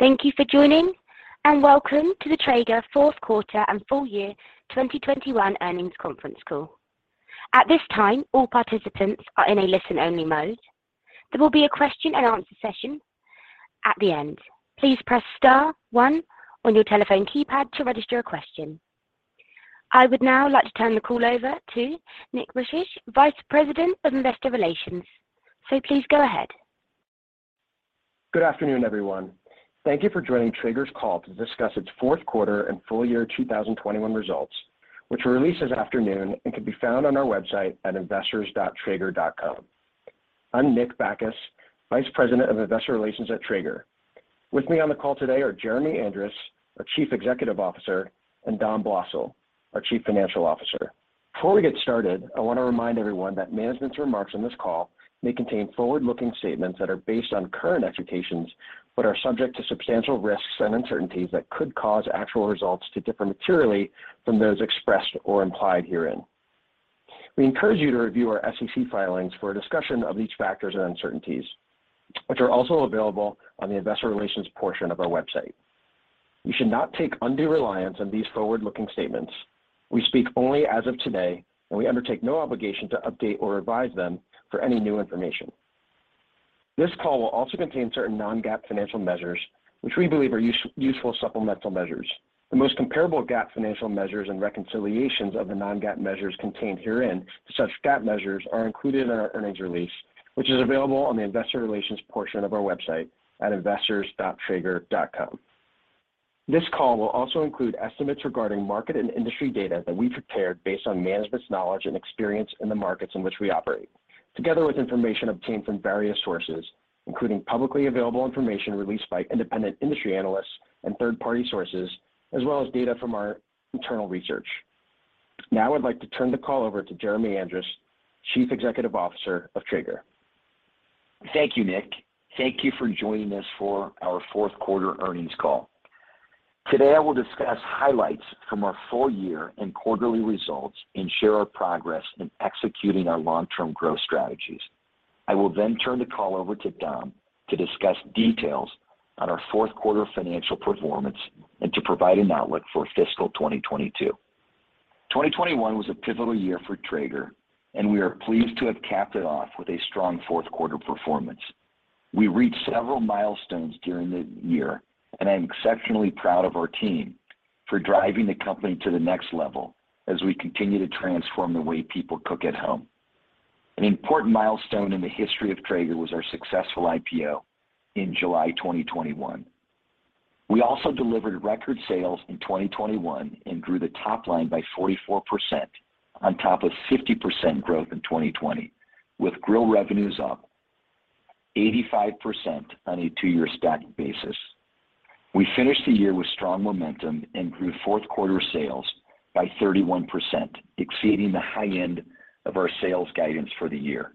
Thank you for joining and welcome to the Traeger Q4 and full year 2021 earnings conference call. At this time, all participants are in a listen-only mode. There will be a question and answer session at the end. Please press star one on your telephone keypad to register a question. I would now like to turn the call over to Nick Bacchus, Vice President of Investor Relations. Please go ahead. Good afternoon, everyone. Thank you for joining Traeger's call to discuss its Q4 and full year 2021 results, which were released this afternoon and can be found on our website at investors.traeger.com. I'm Nick Bacchus, Vice President of Investor Relations at Traeger. With me on the call today are Jeremy Andrus, our Chief Executive Officer, and Dom Blosil, our Chief Financial Officer. Before we get started, I want to remind everyone that management's remarks on this call may contain forward-looking statements that are based on current expectations but are subject to substantial risks and uncertainties that could cause actual results to differ materially from those expressed or implied herein. We encourage you to review our SEC filings for a discussion of these factors and uncertainties, which are also available on the investor relations portion of our website. You should not take undue reliance on these forward-looking statements. We speak only as of today, and we undertake no obligation to update or revise them for any new information. This call will also contain certain non-GAAP financial measures, which we believe are useful supplemental measures. The most comparable GAAP financial measures and reconciliations of the non-GAAP measures contained herein to such GAAP measures are included in our earnings release, which is available on the investor relations portion of our website at investors.traeger.com. This call will also include estimates regarding market and industry data that we've prepared based on management's knowledge and experience in the markets in which we operate, together with information obtained from various sources, including publicly available information released by independent industry analysts and third-party sources, as well as data from our internal research. Now I'd like to turn the call over to Jeremy Andrus, Chief Executive Officer of Traeger. Thank you, Nick. Thank you for joining us for our Q4 earnings call. Today, I will discuss highlights from our full year and quarterly results and share our progress in executing our long-term growth strategies. I will then turn the call over to Dom to discuss details on our Q4 financial performance and to provide an outlook for fiscal 2022. 2021 was a pivotal year for Traeger, and we are pleased to have capped it off with a strong Q4 performance. We reached several milestones during the year, and I am exceptionally proud of our team for driving the company to the next level as we continue to transform the way people cook at home. An important milestone in the history of Traeger was our successful IPO in July 2021. We also delivered record sales in 2021 and grew the top line by 44% on top of 50% growth in 2020, with grill revenues up 85% on a two-year static basis. We finished the year with strong momentum and grew Q4 sales by 31%, exceeding the high end of our sales guidance for the year.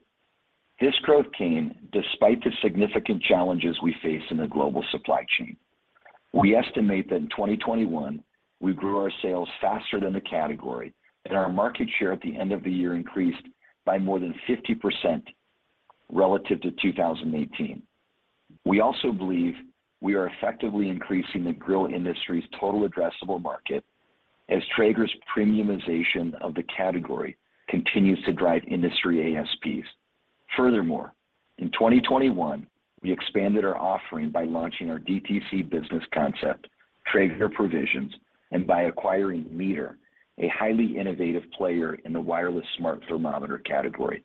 This growth came despite the significant challenges we faced in the global supply chain. We estimate that in 2021 we grew our sales faster than the category, and our market share at the end of the year increased by more than 50% relative to 2018. We also believe we are effectively increasing the grill industry's total addressable market as Traeger's premiumization of the category continues to drive industry ASPs. Furthermore, in 2021, we expanded our offering by launching our DTC business concept, Traeger Provisions, and by acquiring MEATER, a highly innovative player in the wireless smart thermometer category.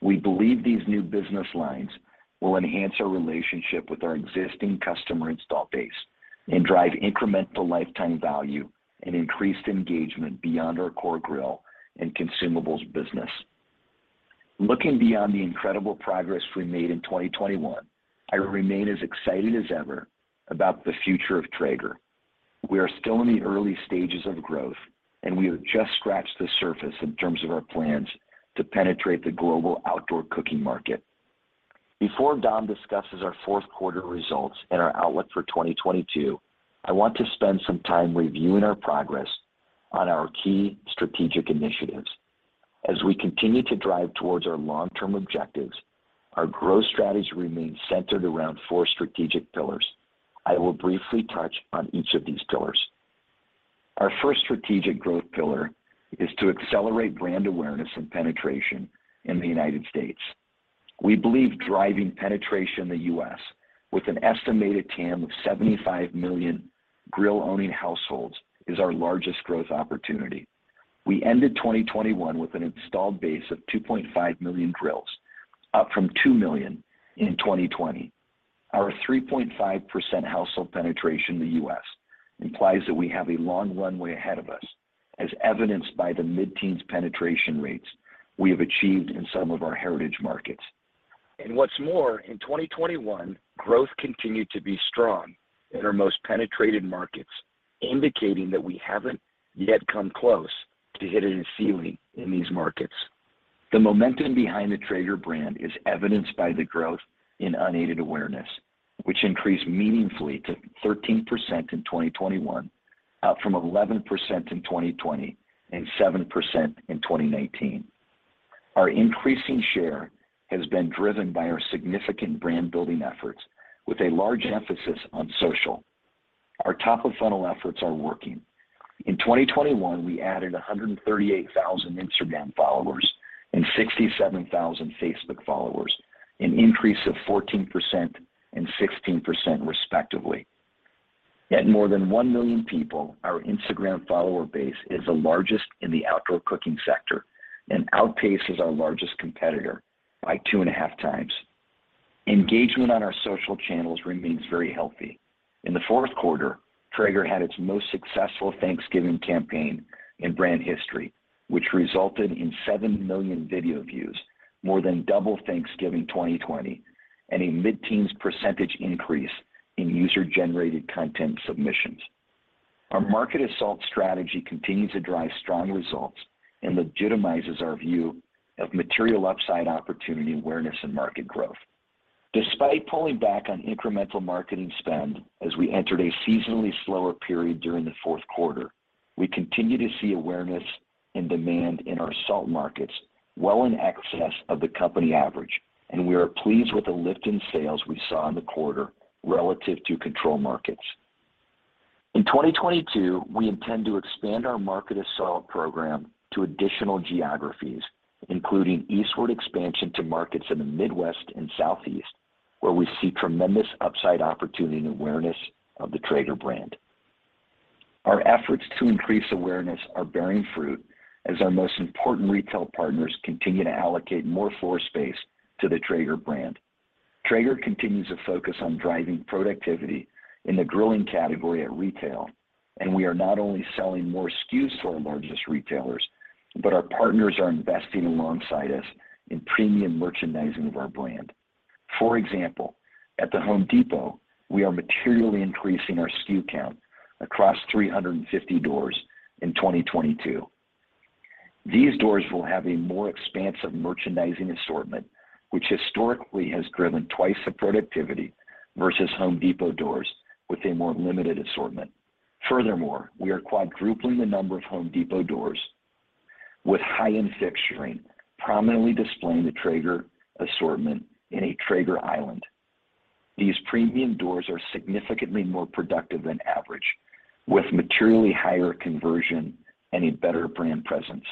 We believe these new business lines will enhance our relationship with our existing customer installed base and drive incremental lifetime value and increased engagement beyond our core grill and consumables business. Looking beyond the incredible progress we made in 2021, I remain as excited as ever about the future of Traeger. We are still in the early stages of growth, and we have just scratched the surface in terms of our plans to penetrate the global outdoor cooking market. Before Dom discusses our Q4 results and our outlook for 2022, I want to spend some time reviewing our progress on our key strategic initiatives. As we continue to drive towards our long-term objectives, our growth strategy remains centered around four strategic pillars. I will briefly touch on each of these pillars. Our first strategic growth pillar is to accelerate brand awareness and penetration in the United States. We believe driving penetration in the U.S. with an estimated TAM of 75 million grill-owning households is our largest growth opportunity. We ended 2021 with an installed base of 2.5 million grills, up from 2 million in 2020. Our 3.5% household penetration in the U.S. implies that we have a long runway ahead of us, as evidenced by the mid-teens penetration rates we have achieved in some of our heritage markets. What's more, in 2021, growth continued to be strong in our most penetrated markets, indicating that we haven't yet come close to hitting a ceiling in these markets. The momentum behind the Traeger brand is evidenced by the growth in unaided awareness, which increased meaningfully to 13% in 2021, up from 11% in 2020 and 7% in 2019. Our increasing share has been driven by our significant brand-building efforts with a large emphasis on social. Our top-of-funnel efforts are working. In 2021, we added 138,000 Instagram followers and 67,000 Facebook followers, an increase of 14% and 16% respectively. At more than 1 million people, our Instagram follower base is the largest in the outdoor cooking sector and outpaces our largest competitor by two and a half times. Engagement on our social channels remains very healthy. In the Q4, Traeger had its most successful Thanksgiving campaign in brand history, which resulted in 7 million video views, more than double Thanksgiving 2020, and a mid-teens % increase in user-generated content submissions. Our Market Assault strategy continues to drive strong results and legitimizes our view of material upside opportunity awareness and market growth. Despite pulling back on incremental marketing spend as we entered a seasonally slower period during the Q4, we continue to see awareness and demand in our assault markets well in excess of the company average, and we are pleased with the lift in sales we saw in the quarter relative to control markets. In 2022, we intend to expand our Market Assault program to additional geographies, including eastward expansion to markets in the Midwest and Southeast, where we see tremendous upside opportunity and awareness of the Traeger brand. Our efforts to increase awareness are bearing fruit as our most important retail partners continue to allocate more floor space to the Traeger brand. Traeger continues to focus on driving productivity in the grilling category at retail, and we are not only selling more SKUs to our largest retailers, but our partners are investing alongside us in premium merchandising of our brand. For example, at The Home Depot, we are materially increasing our SKU count across 350 doors in 2022. These doors will have a more expansive merchandising assortment, which historically has driven twice the productivity versus Home Depot doors with a more limited assortment. Furthermore, we are quadrupling the number of Home Depot doors with high-end fixturing prominently displaying the Traeger assortment in a Traeger island. These premium doors are significantly more productive than average, with materially higher conversion and a better brand presence.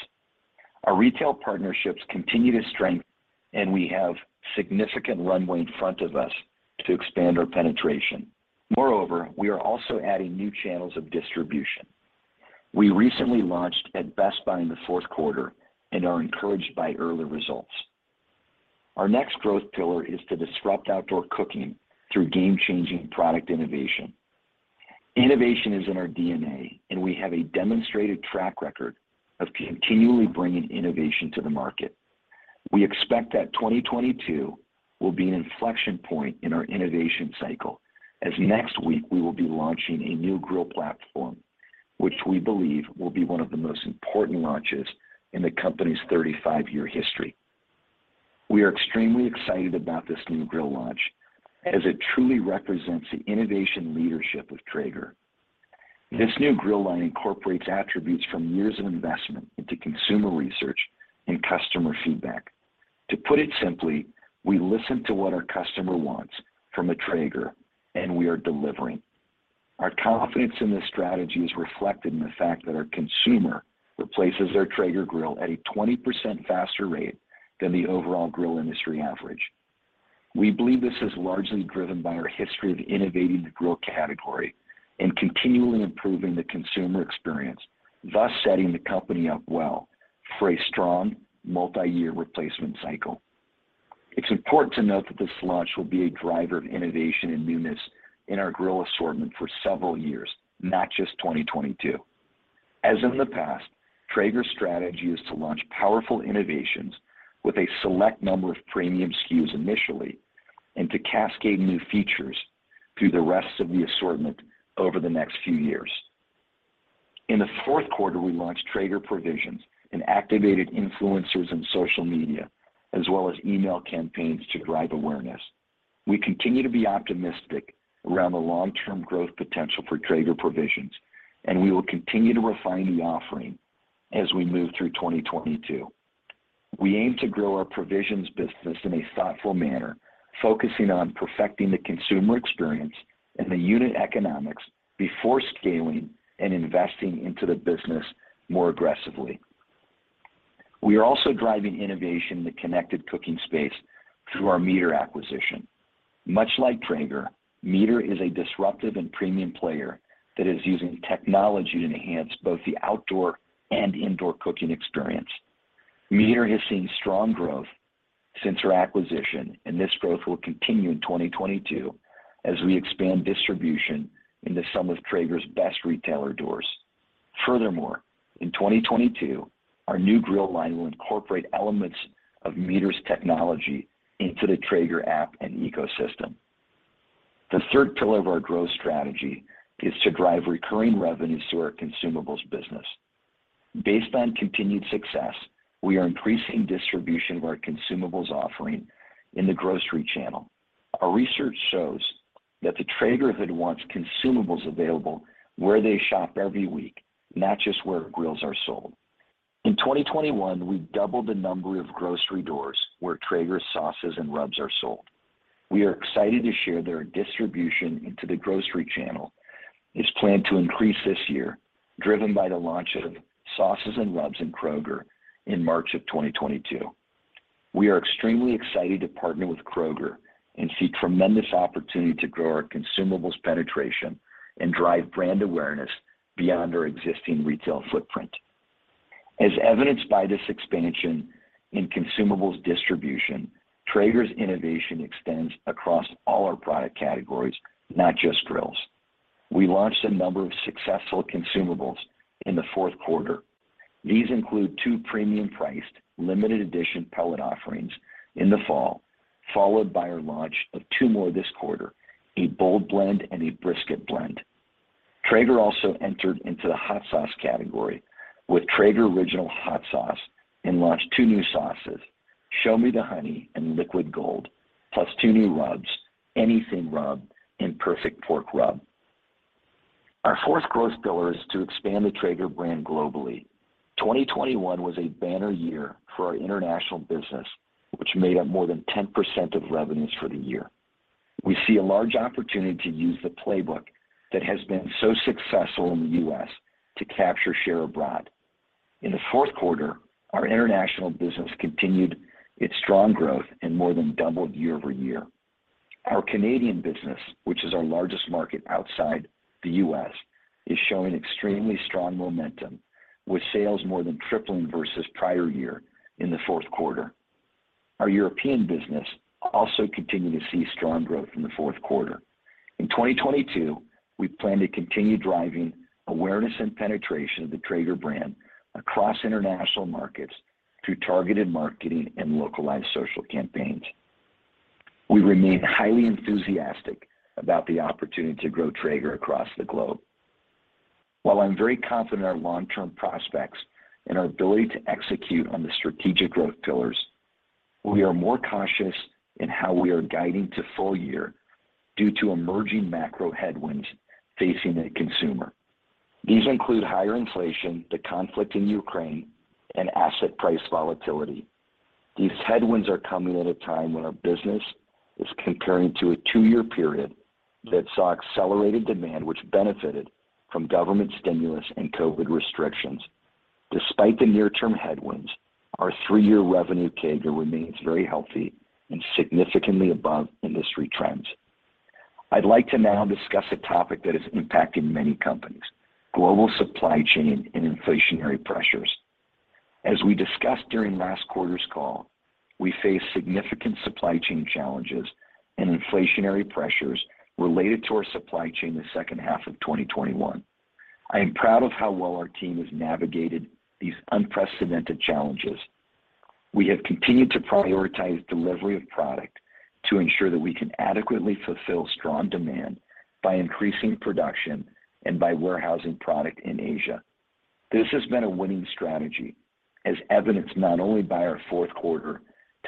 Our retail partnerships continue to strengthen, and we have significant runway in front of us to expand our penetration. Moreover, we are also adding new channels of distribution. We recently launched at Best Buy in the Q4 and are encouraged by early results. Our next growth pillar is to disrupt outdoor cooking through game-changing product innovation. Innovation is in our DNA, and we have a demonstrated track record of continually bringing innovation to the market. We expect that 2022 will be an inflection point in our innovation cycle as next week we will be launching a new grill platform, which we believe will be one of the most important launches in the company's 35-year history. We are extremely excited about this new grill launch as it truly represents the innovation leadership of Traeger. This new grill line incorporates attributes from years of investment into consumer research and customer feedback. To put it simply, we listen to what our customer wants from a Traeger, and we are delivering. Our confidence in this strategy is reflected in the fact that our consumer replaces their Traeger grill at a 20% faster rate than the overall grill industry average. We believe this is largely driven by our history of innovating the grill category and continually improving the consumer experience, thus setting the company up well for a strong multiyear replacement cycle. It's important to note that this launch will be a driver of innovation and newness in our grill assortment for several years, not just 2022. As in the past, Traeger's strategy is to launch powerful innovations with a select number of premium SKUs initially and to cascade new features through the rest of the assortment over the next few years. In the Q4, we launched Traeger Provisions and activated influencers in social media as well as email campaigns to drive awareness. We continue to be optimistic around the long-term growth potential for Traeger Provisions, and we will continue to refine the offering as we move through 2022. We aim to grow our Provisions business in a thoughtful manner, focusing on perfecting the consumer experience and the unit economics before scaling and investing into the business more aggressively. We are also driving innovation in the connected cooking space through our MEATER acquisition. Much like Traeger, MEATER is a disruptive and premium player that is using technology to enhance both the outdoor and indoor cooking experience. MEATER has seen strong growth since our acquisition, and this growth will continue in 2022 as we expand distribution into some of Traeger's best retailer doors. Furthermore, in 2022, our new grill line will incorporate elements of MEATER's technology into the Traeger app and ecosystem. The third pillar of our growth strategy is to drive recurring revenues through our consumables business. Based on continued success, we are increasing distribution of our consumables offering in the grocery channel. Our research shows that the Traegerhood wants consumables available where they shop every week, not just where grills are sold. In 2021, we doubled the number of grocery doors where Traeger sauces and rubs are sold. We are excited to share their distribution into the grocery channel is planned to increase this year, driven by the launch of sauces and rubs in Kroger in March 2022. We are extremely excited to partner with Kroger and see tremendous opportunity to grow our consumables penetration and drive brand awareness beyond our existing retail footprint. As evidenced by this expansion in consumables distribution, Traeger's innovation extends across all our product categories, not just grills. We launched a number of successful consumables in the Q4. These include two premium-priced limited edition pellet offerings in the fall, followed by our launch of two more this quarter, a Bold Blend and a Brisket Blend. Traeger also entered into the hot sauce category with Traeger Original Hot Sauce and launched two new sauces, Show Me The Honey and Liquid Gold, plus two new rubs, Anything Rub and Perfect Pork Rub. Our fourth growth pillar is to expand the Traeger brand globally. 2021 was a banner year for our international business, which made up more than 10% of revenues for the year. We see a large opportunity to use the playbook that has been so successful in the U.S. to capture share abroad. In the Q4, our international business continued its strong growth and more than doubled year-over-year. Our Canadian business, which is our largest market outside the U.S., is showing extremely strong momentum, with sales more than tripling versus prior year in the Q4. Our European business also continued to see strong growth in the Q4. In 2022, we plan to continue driving awareness and penetration of the Traeger brand across international markets through targeted marketing and localized social campaigns. We remain highly enthusiastic about the opportunity to grow Traeger across the globe. While I'm very confident in our long-term prospects and our ability to execute on the strategic growth pillars, we are more cautious in how we are guiding to full year due to emerging macro headwinds facing the consumer. These include higher inflation, the conflict in Ukraine, and asset price volatility. These headwinds are coming at a time when our business is comparing to a two-year period that saw accelerated demand, which benefited from government stimulus and COVID restrictions. Despite the near-term headwinds, our three-year revenue CAGR remains very healthy and significantly above industry trends. I'd like to now discuss a topic that is impacting many companies, global supply chain and inflationary pressures. As we discussed during last quarter's call, we face significant supply chain challenges and inflationary pressures related to our supply chain the H2 of 2021. I am proud of how well our team has navigated these unprecedented challenges. We have continued to prioritize delivery of product to ensure that we can adequately fulfill strong demand by increasing production and by warehousing product in Asia. This has been a winning strategy as evidenced not only by our Q4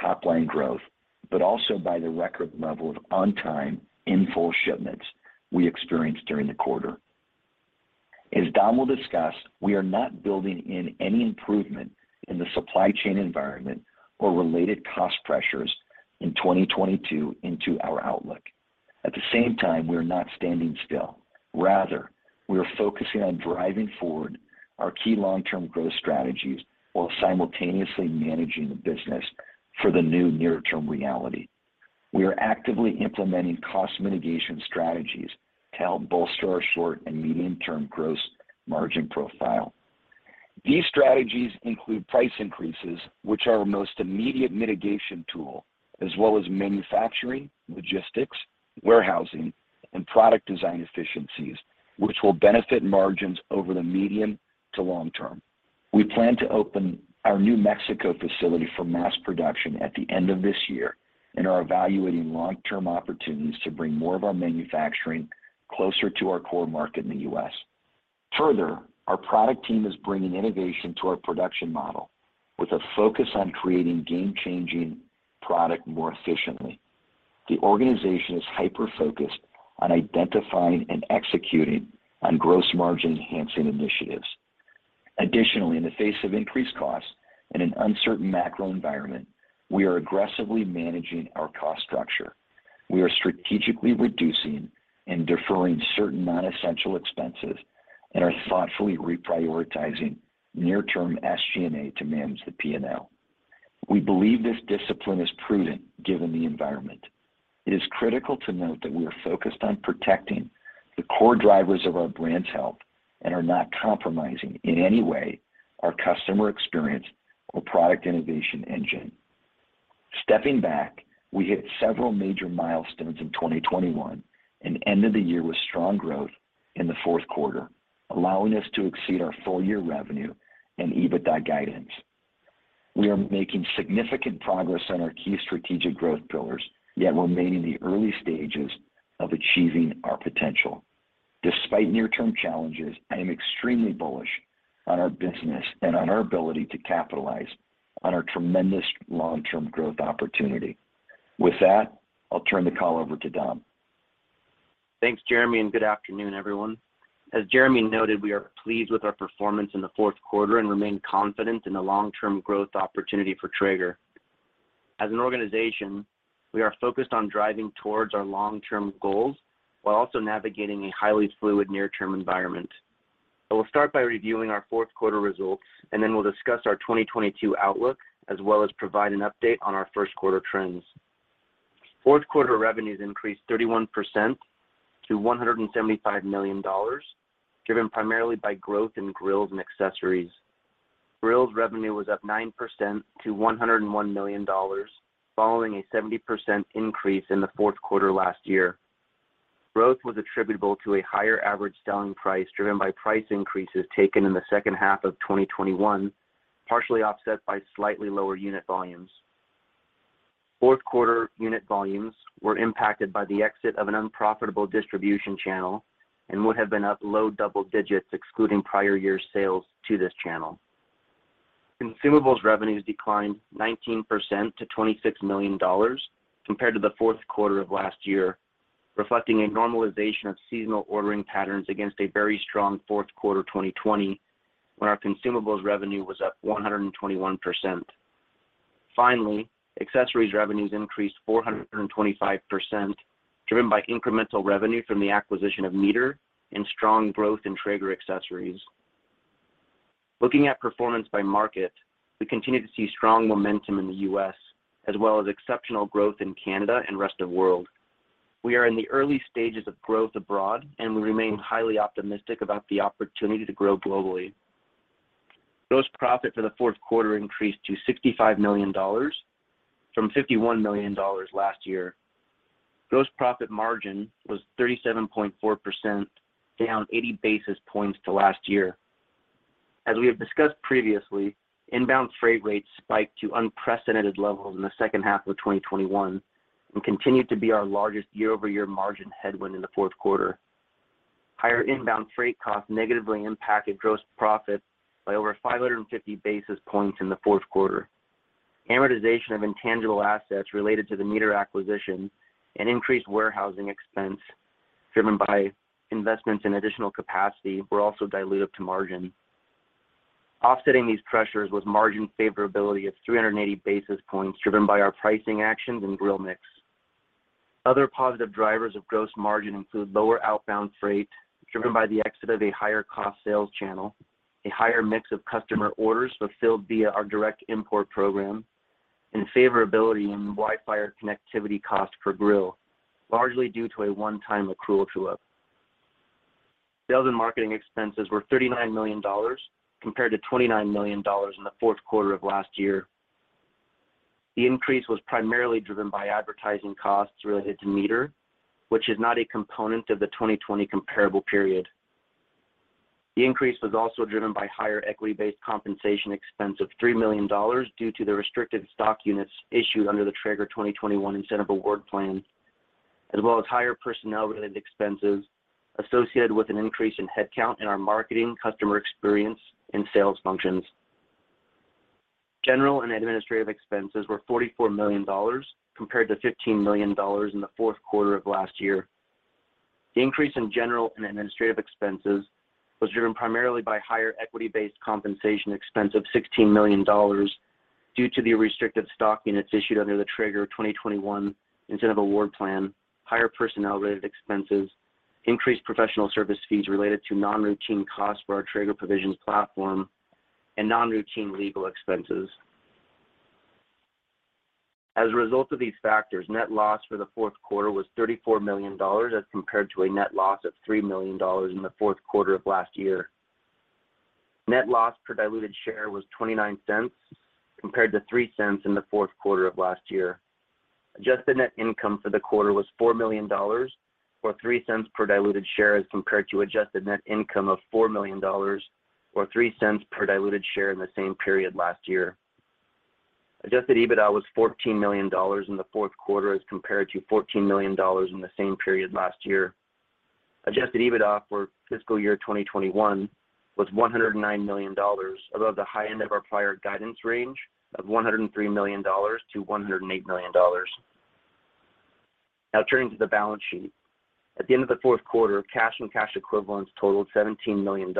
top line growth, but also by the record level of on time in full shipments we experienced during the quarter. As Dom will discuss, we are not building in any improvement in the supply chain environment or related cost pressures in 2022 into our outlook. At the same time, we are not standing still. Rather, we are focusing on driving forward our key long-term growth strategies while simultaneously managing the business for the new near-term reality. We are actively implementing cost mitigation strategies to help bolster our short and medium-term gross margin profile. These strategies include price increases, which are our most immediate mitigation tool, as well as manufacturing, logistics, warehousing, and product design efficiencies, which will benefit margins over the medium to long term. We plan to open our Mexico facility for mass production at the end of this year and are evaluating long-term opportunities to bring more of our manufacturing closer to our core market in the U.S. Further, our product team is bringing innovation to our production model with a focus on creating game-changing product more efficiently. The organization is hyper-focused on identifying and executing on gross margin enhancing initiatives. Additionally, in the face of increased costs and an uncertain macro environment, we are aggressively managing our cost structure. We are strategically reducing and deferring certain non-essential expenses and are thoughtfully reprioritizing near-term SG&A to manage the P&L. We believe this discipline is prudent given the environment. It is critical to note that we are focused on protecting the core drivers of our brand's health and are not compromising in any way our customer experience or product innovation engine. Stepping back, we hit several major milestones in 2021 and ended the year with strong growth in the Q4, allowing us to exceed our full-year revenue and EBITDA guidance. We are making significant progress on our key strategic growth pillars, yet remain in the early stages of achieving our potential. Despite near-term challenges, I am extremely bullish on our business and on our ability to capitalize on our tremendous long-term growth opportunity. With that, I'll turn the call over to Dom. Thanks, Jeremy, and good afternoon, everyone. As Jeremy noted, we are pleased with our performance in the Q4 and remain confident in the long-term growth opportunity for Traeger. As an organization, we are focused on driving towards our long-term goals while also navigating a highly fluid near-term environment. I will start by reviewing our Q4 results, and then we'll discuss our 2022 outlook as well as provide an update on our Q1 trends. Q4 revenues increased 31% to $175 million, driven primarily by growth in grills and accessories. Grills revenue was up 9% to $101 million following a 70% increase in the Q4 last year. Growth was attributable to a higher average selling price driven by price increases taken in the H2 of 2021, partially offset by slightly lower unit volumes. Q4 unit volumes were impacted by the exit of an unprofitable distribution channel and would have been up low double digits excluding prior year sales to this channel. Consumables revenues declined 19% to $26 million compared to the Q4 of last year, reflecting a normalization of seasonal ordering patterns against a very strong Q4 2020 when our consumables revenue was up 121%. Finally, accessories revenues increased 425%, driven by incremental revenue from the acquisition of MEATER and strong growth in Traeger accessories. Looking at performance by market, we continue to see strong momentum in the U.S. as well as exceptional growth in Canada and rest of world. We are in the early stages of growth abroad, and we remain highly optimistic about the opportunity to grow globally. Gross profit for the Q4 increased to $65 million from $51 million last year. Gross profit margin was 37.4%, down 80 basis points to last year. As we have discussed previously, inbound freight rates spiked to unprecedented levels in the H2 of 2021 and continued to be our largest year-over-year margin headwind in the Q4. Higher inbound freight costs negatively impacted gross profit by over 550 basis points in the Q4. Amortization of intangible assets related to the MEATER acquisition and increased warehousing expense driven by investments in additional capacity were also dilutive to margin. Offsetting these pressures was margin favorability of 380 basis points driven by our pricing actions and grill mix. Other positive drivers of gross margin include lower outbound freight driven by the exit of a higher cost sales channel, a higher mix of customer orders fulfilled via our direct import program, and favorability in WiFIRE connectivity cost per grill, largely due to a one-time accrual to it. Sales and marketing expenses were $39 million compared to $29 million in the Q4 of last year. The increase was primarily driven by advertising costs related to MEATER, which is not a component of the 2020 comparable period. The increase was also driven by higher equity-based compensation expense of $3 million due to the restricted stock units issued under the Traeger 2021 Incentive Award Plan, as well as higher personnel-related expenses associated with an increase in headcount in our marketing, customer experience, and sales functions. General and administrative expenses were $44 million compared to $15 million in the Q4 of last year. The increase in general and administrative expenses was driven primarily by higher equity-based compensation expense of $16 million due to the restricted stock units issued under the Traeger 2021 Incentive Award Plan, higher personnel-related expenses, increased professional service fees related to non-routine costs for our Traeger Provisions platform, and non-routine legal expenses. As a result of these factors, net loss for the Q4 was $34 million as compared to a net loss of $3 million in the Q4 of last year. Net loss per diluted share was $0.29 compared to $0.03 in the Q4 of last year. Adjusted net income for the quarter was $4 million or $0.03 per diluted share as compared to adjusted net income of $4 million or $0.03 per diluted share in the same period last year. Adjusted EBITDA was $14 million in the Q4 as compared to $14 million in the same period last year. Adjusted EBITDA for fiscal year 2021 was $109 million above the high end of our prior guidance range of $103 million-$108 million. Now turning to the balance sheet. At the end of the Q4, cash and cash equivalents totaled $17 million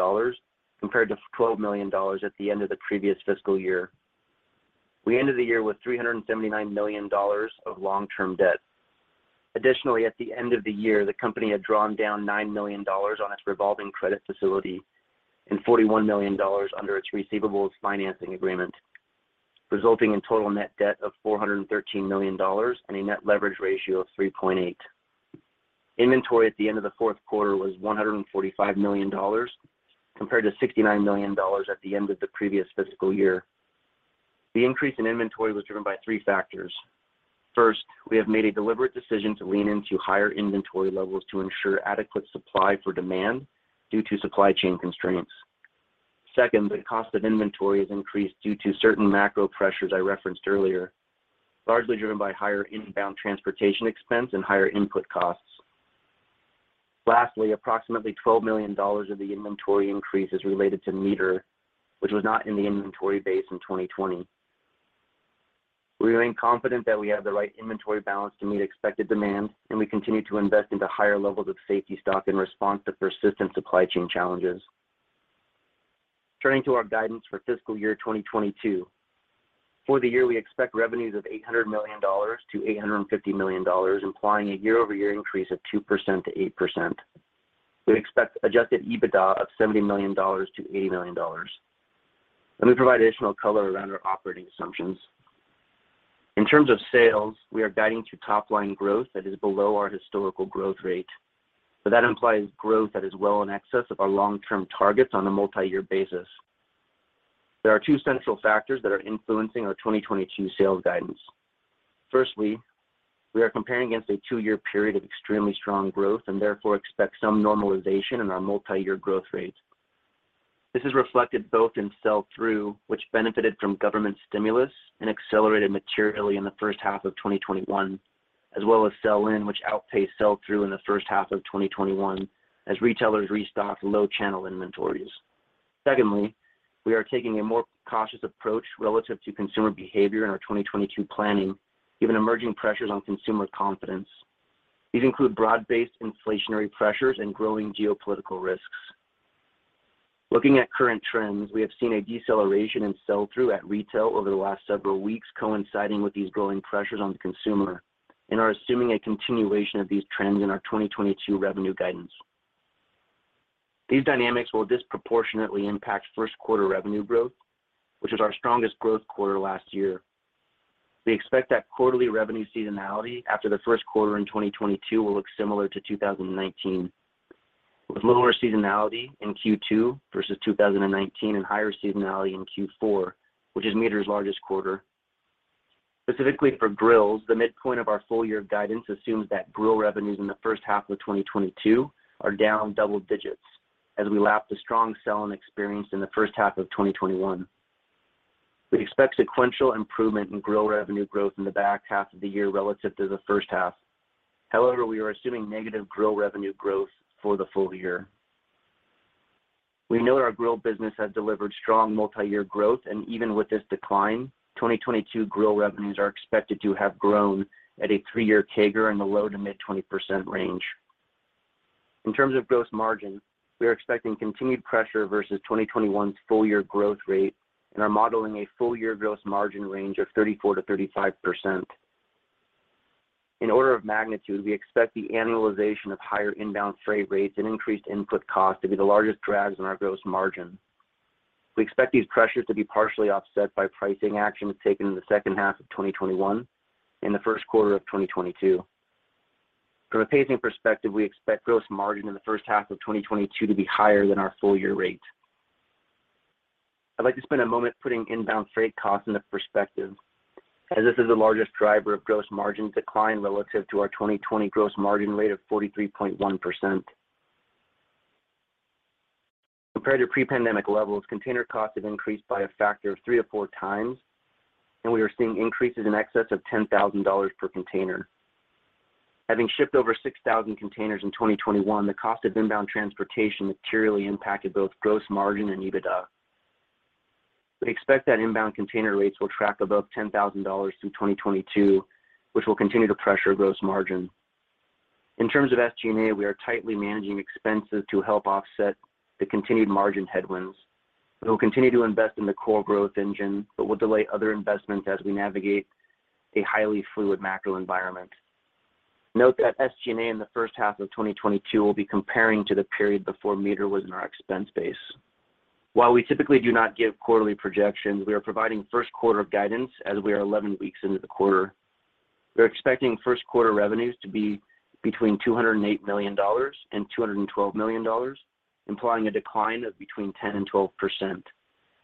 compared to $12 million at the end of the previous fiscal year. We ended the year with $379 million of long-term debt. Additionally, at the end of the year, the company had drawn down $9 million on its revolving credit facility and $41 million under its receivables financing agreement, resulting in total net debt of $413 million and a net leverage ratio of 3.8. Inventory at the end of the Q4 was $145 million compared to $69 million at the end of the previous fiscal year. The increase in inventory was driven by three factors. First, we have made a deliberate decision to lean into higher inventory levels to ensure adequate supply for demand due to supply chain constraints. Second, the cost of inventory has increased due to certain macro pressures I referenced earlier, largely driven by higher inbound transportation expense and higher input costs. Lastly, approximately $12 million of the inventory increase is related to MEATER, which was not in the inventory base in 2020. We remain confident that we have the right inventory balance to meet expected demand, and we continue to invest into higher levels of safety stock in response to persistent supply chain challenges. Turning to our guidance for fiscal year 2022. For the year, we expect revenues of $800 million-$850 million, implying a year-over-year increase of 2%-8%. We expect adjusted EBITDA of $70 million-$80 million. Let me provide additional color around our operating assumptions. In terms of sales, we are guiding to top line growth that is below our historical growth rate, but that implies growth that is well in excess of our long-term targets on a multi-year basis. There are two central factors that are influencing our 2022 sales guidance. Firstly, we are comparing against a two-year period of extremely strong growth and therefore expect some normalization in our multi-year growth rates. This is reflected both in sell-through, which benefited from government stimulus and accelerated materially in the H1 of 2021, as well as sell-in, which outpaced sell-through in the H1 of 2021 as retailers restocked low channel inventories. Secondly, we are taking a more cautious approach relative to consumer behavior in our 2022 planning, given emerging pressures on consumer confidence. These include broad-based inflationary pressures and growing geopolitical risks. Looking at current trends, we have seen a deceleration in sell-through at retail over the last several weeks coinciding with these growing pressures on the consumer and are assuming a continuation of these trends in our 2022 revenue guidance. These dynamics will disproportionately impact Q1 revenue growth, which was our strongest growth quarter last year. We expect that quarterly revenue seasonality after the Q1 in 2022 will look similar to 2019, with lower seasonality in Q2 versus 2019 and higher seasonality in Q4, which is MEATER's largest quarter. Specifically for grills, the midpoint of our full year guidance assumes that grill revenues in the H1 of 2022 are down double digits as we lap the strong sell-in experienced in the H1 of 2021. We expect sequential improvement in grill revenue growth in the back half of the year relative to the H1. However, we are assuming negative grill revenue growth for the full year. We know our grill business has delivered strong multi-year growth, and even with this decline, 2022 grill revenues are expected to have grown at a three-year CAGR in the low- to mid-20% range. In terms of gross margin, we are expecting continued pressure versus 2021's full year growth rate and are modeling a full year gross margin range of 34%-35%. In order of magnitude, we expect the annualization of higher inbound freight rates and increased input cost to be the largest drags on our gross margin. We expect these pressures to be partially offset by pricing actions taken in the H2 of 2021 and the Q1 of 2022. From a pacing perspective, we expect gross margin in the H1 of 2022 to be higher than our full year rate. I'd like to spend a moment putting inbound freight costs into perspective, as this is the largest driver of gross margin decline relative to our 2020 gross margin rate of 43.1%. Compared to pre-pandemic levels, container costs have increased by a factor of 3x or 4x, and we are seeing increases in excess of $10,000 per container. Having shipped over 6,000 containers in 2021, the cost of inbound transportation materially impacted both gross margin and EBITDA. We expect that inbound container rates will track above $10,000 through 2022, which will continue to pressure gross margin. In terms of SG&A, we are tightly managing expenses to help offset the continued margin headwinds. We will continue to invest in the core growth engine, but will delay other investments as we navigate a highly fluid macro environment. Note that SG&A in the H1 of 2022 will be comparing to the period before MEATER was in our expense base. While we typically do not give quarterly projections, we are providing Q1 guidance as we are 11 weeks into the quarter. We're expecting Q1 revenues to be between $208 million and $212 million, implying a decline of between 10% and 12%,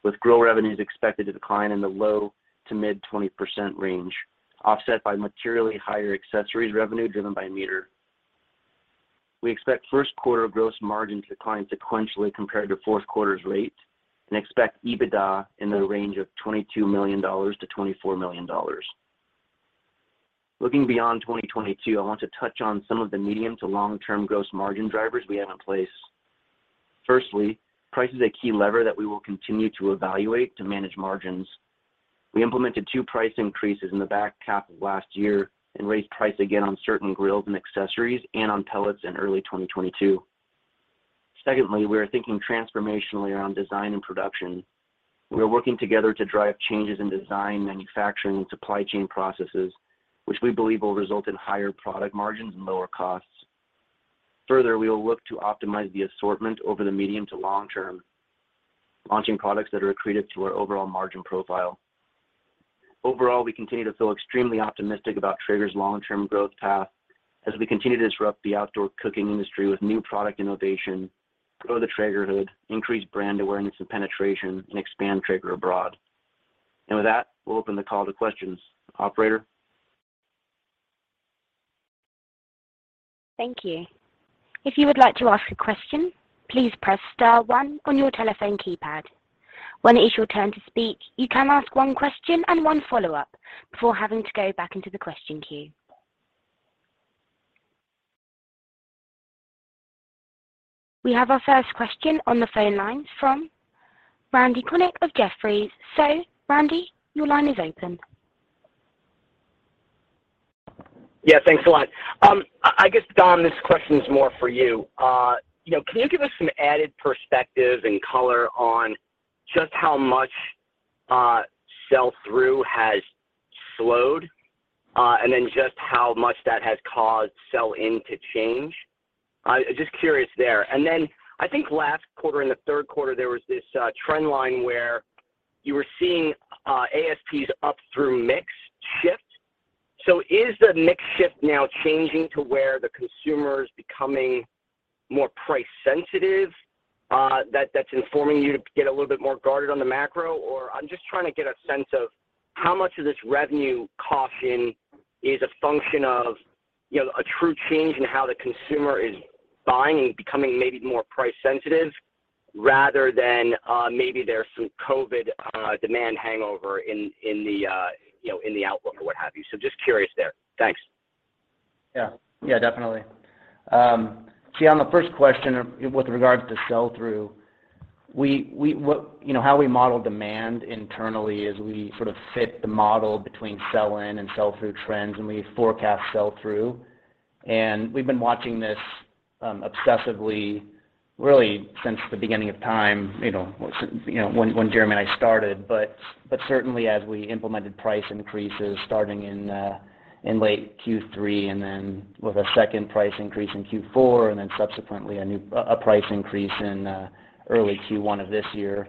with grill revenues expected to decline in the low- to mid-20% range, offset by materially higher accessories revenue driven by MEATER. We expect Q1 gross margin to decline sequentially compared to Q4's rates and expect EBITDA in the range of $22 million-$24 million. Looking beyond 2022, I want to touch on some of the medium- to long-term gross margin drivers we have in place. Firstly, price is a key lever that we will continue to evaluate to manage margins. We implemented two price increases in the back half of last year and raised price again on certain grills and accessories and on pellets in early 2022. Secondly, we are thinking transformationally around design and production. We are working together to drive changes in design, manufacturing, and supply chain processes, which we believe will result in higher product margins and lower costs. Further, we will look to optimize the assortment over the medium to long term, launching products that are accretive to our overall margin profile. Overall, we continue to feel extremely optimistic about Traeger's long-term growth path as we continue to disrupt the outdoor cooking industry with new product innovation, grow the Traegerhood, increase brand awareness and penetration, and expand Traeger abroad. With that, we'll open the call to questions. Operator? Thank you. If you would like to ask a question, please press star one on your telephone keypad. When it is your turn to speak, you can ask one question and one follow-up before having to go back into the question queue. We have our first question on the phone line from Randy Konik of Jefferies. Randy, your line is open. Yeah, thanks a lot. I guess, Dom, this question is more for you. You know, can you give us some added perspective and color on just how much sell-through has slowed, and then just how much that has caused sell-in to change? I'm just curious there. I think last quarter, in the Q3, there was this trend line where you were seeing ASPs up through mix shift. Is the mix shift now changing to where the consumer is becoming more price sensitive, that's informing you to get a little bit more guarded on the macro, or I'm just trying to get a sense of how much of this revenue caution is a function of, you know, a true change in how the consumer is buying and becoming maybe more price sensitive rather than, maybe there's some COVID demand hangover in, you know, in the outlook or what have you? Just curious there. Thanks. Yeah. Yeah, definitely. On the first question with regards to sell-through, we—you know, how we model demand internally is we sort of fit the model between sell-in and sell-through trends, and we forecast sell-through. We've been watching this obsessively, really since the beginning of time, you know, when Jeremy and I started. Certainly as we implemented price increases starting in late Q3 and then with a second price increase in Q4, and then subsequently a price increase in early Q1 of this year.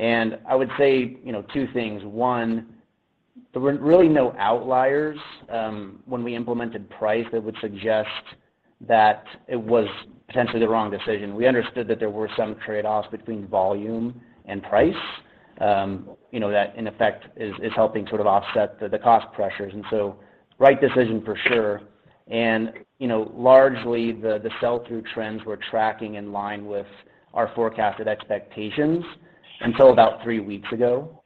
I would say, you know, two things. One, there were really no outliers when we implemented price that would suggest that it was potentially the wrong decision. We understood that there were some trade-offs between volume and price, that in effect is helping sort of offset the cost pressures. Right decision for sure. Largely the sell-through trends were tracking in line with our forecasted expectations until about three weeks ago,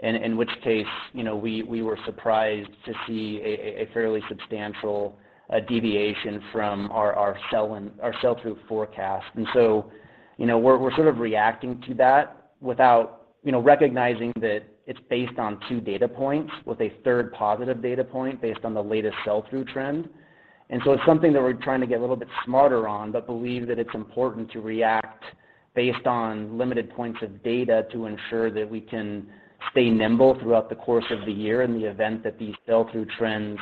in which case, we were surprised to see a fairly substantial deviation from our sell-through forecast. We're sort of reacting to that without recognizing that it's based on two data points with a third positive data point based on the latest sell-through trend. It's something that we're trying to get a little bit smarter on, but believe that it's important to react based on limited points of data to ensure that we can stay nimble throughout the course of the year in the event that these sell-through trends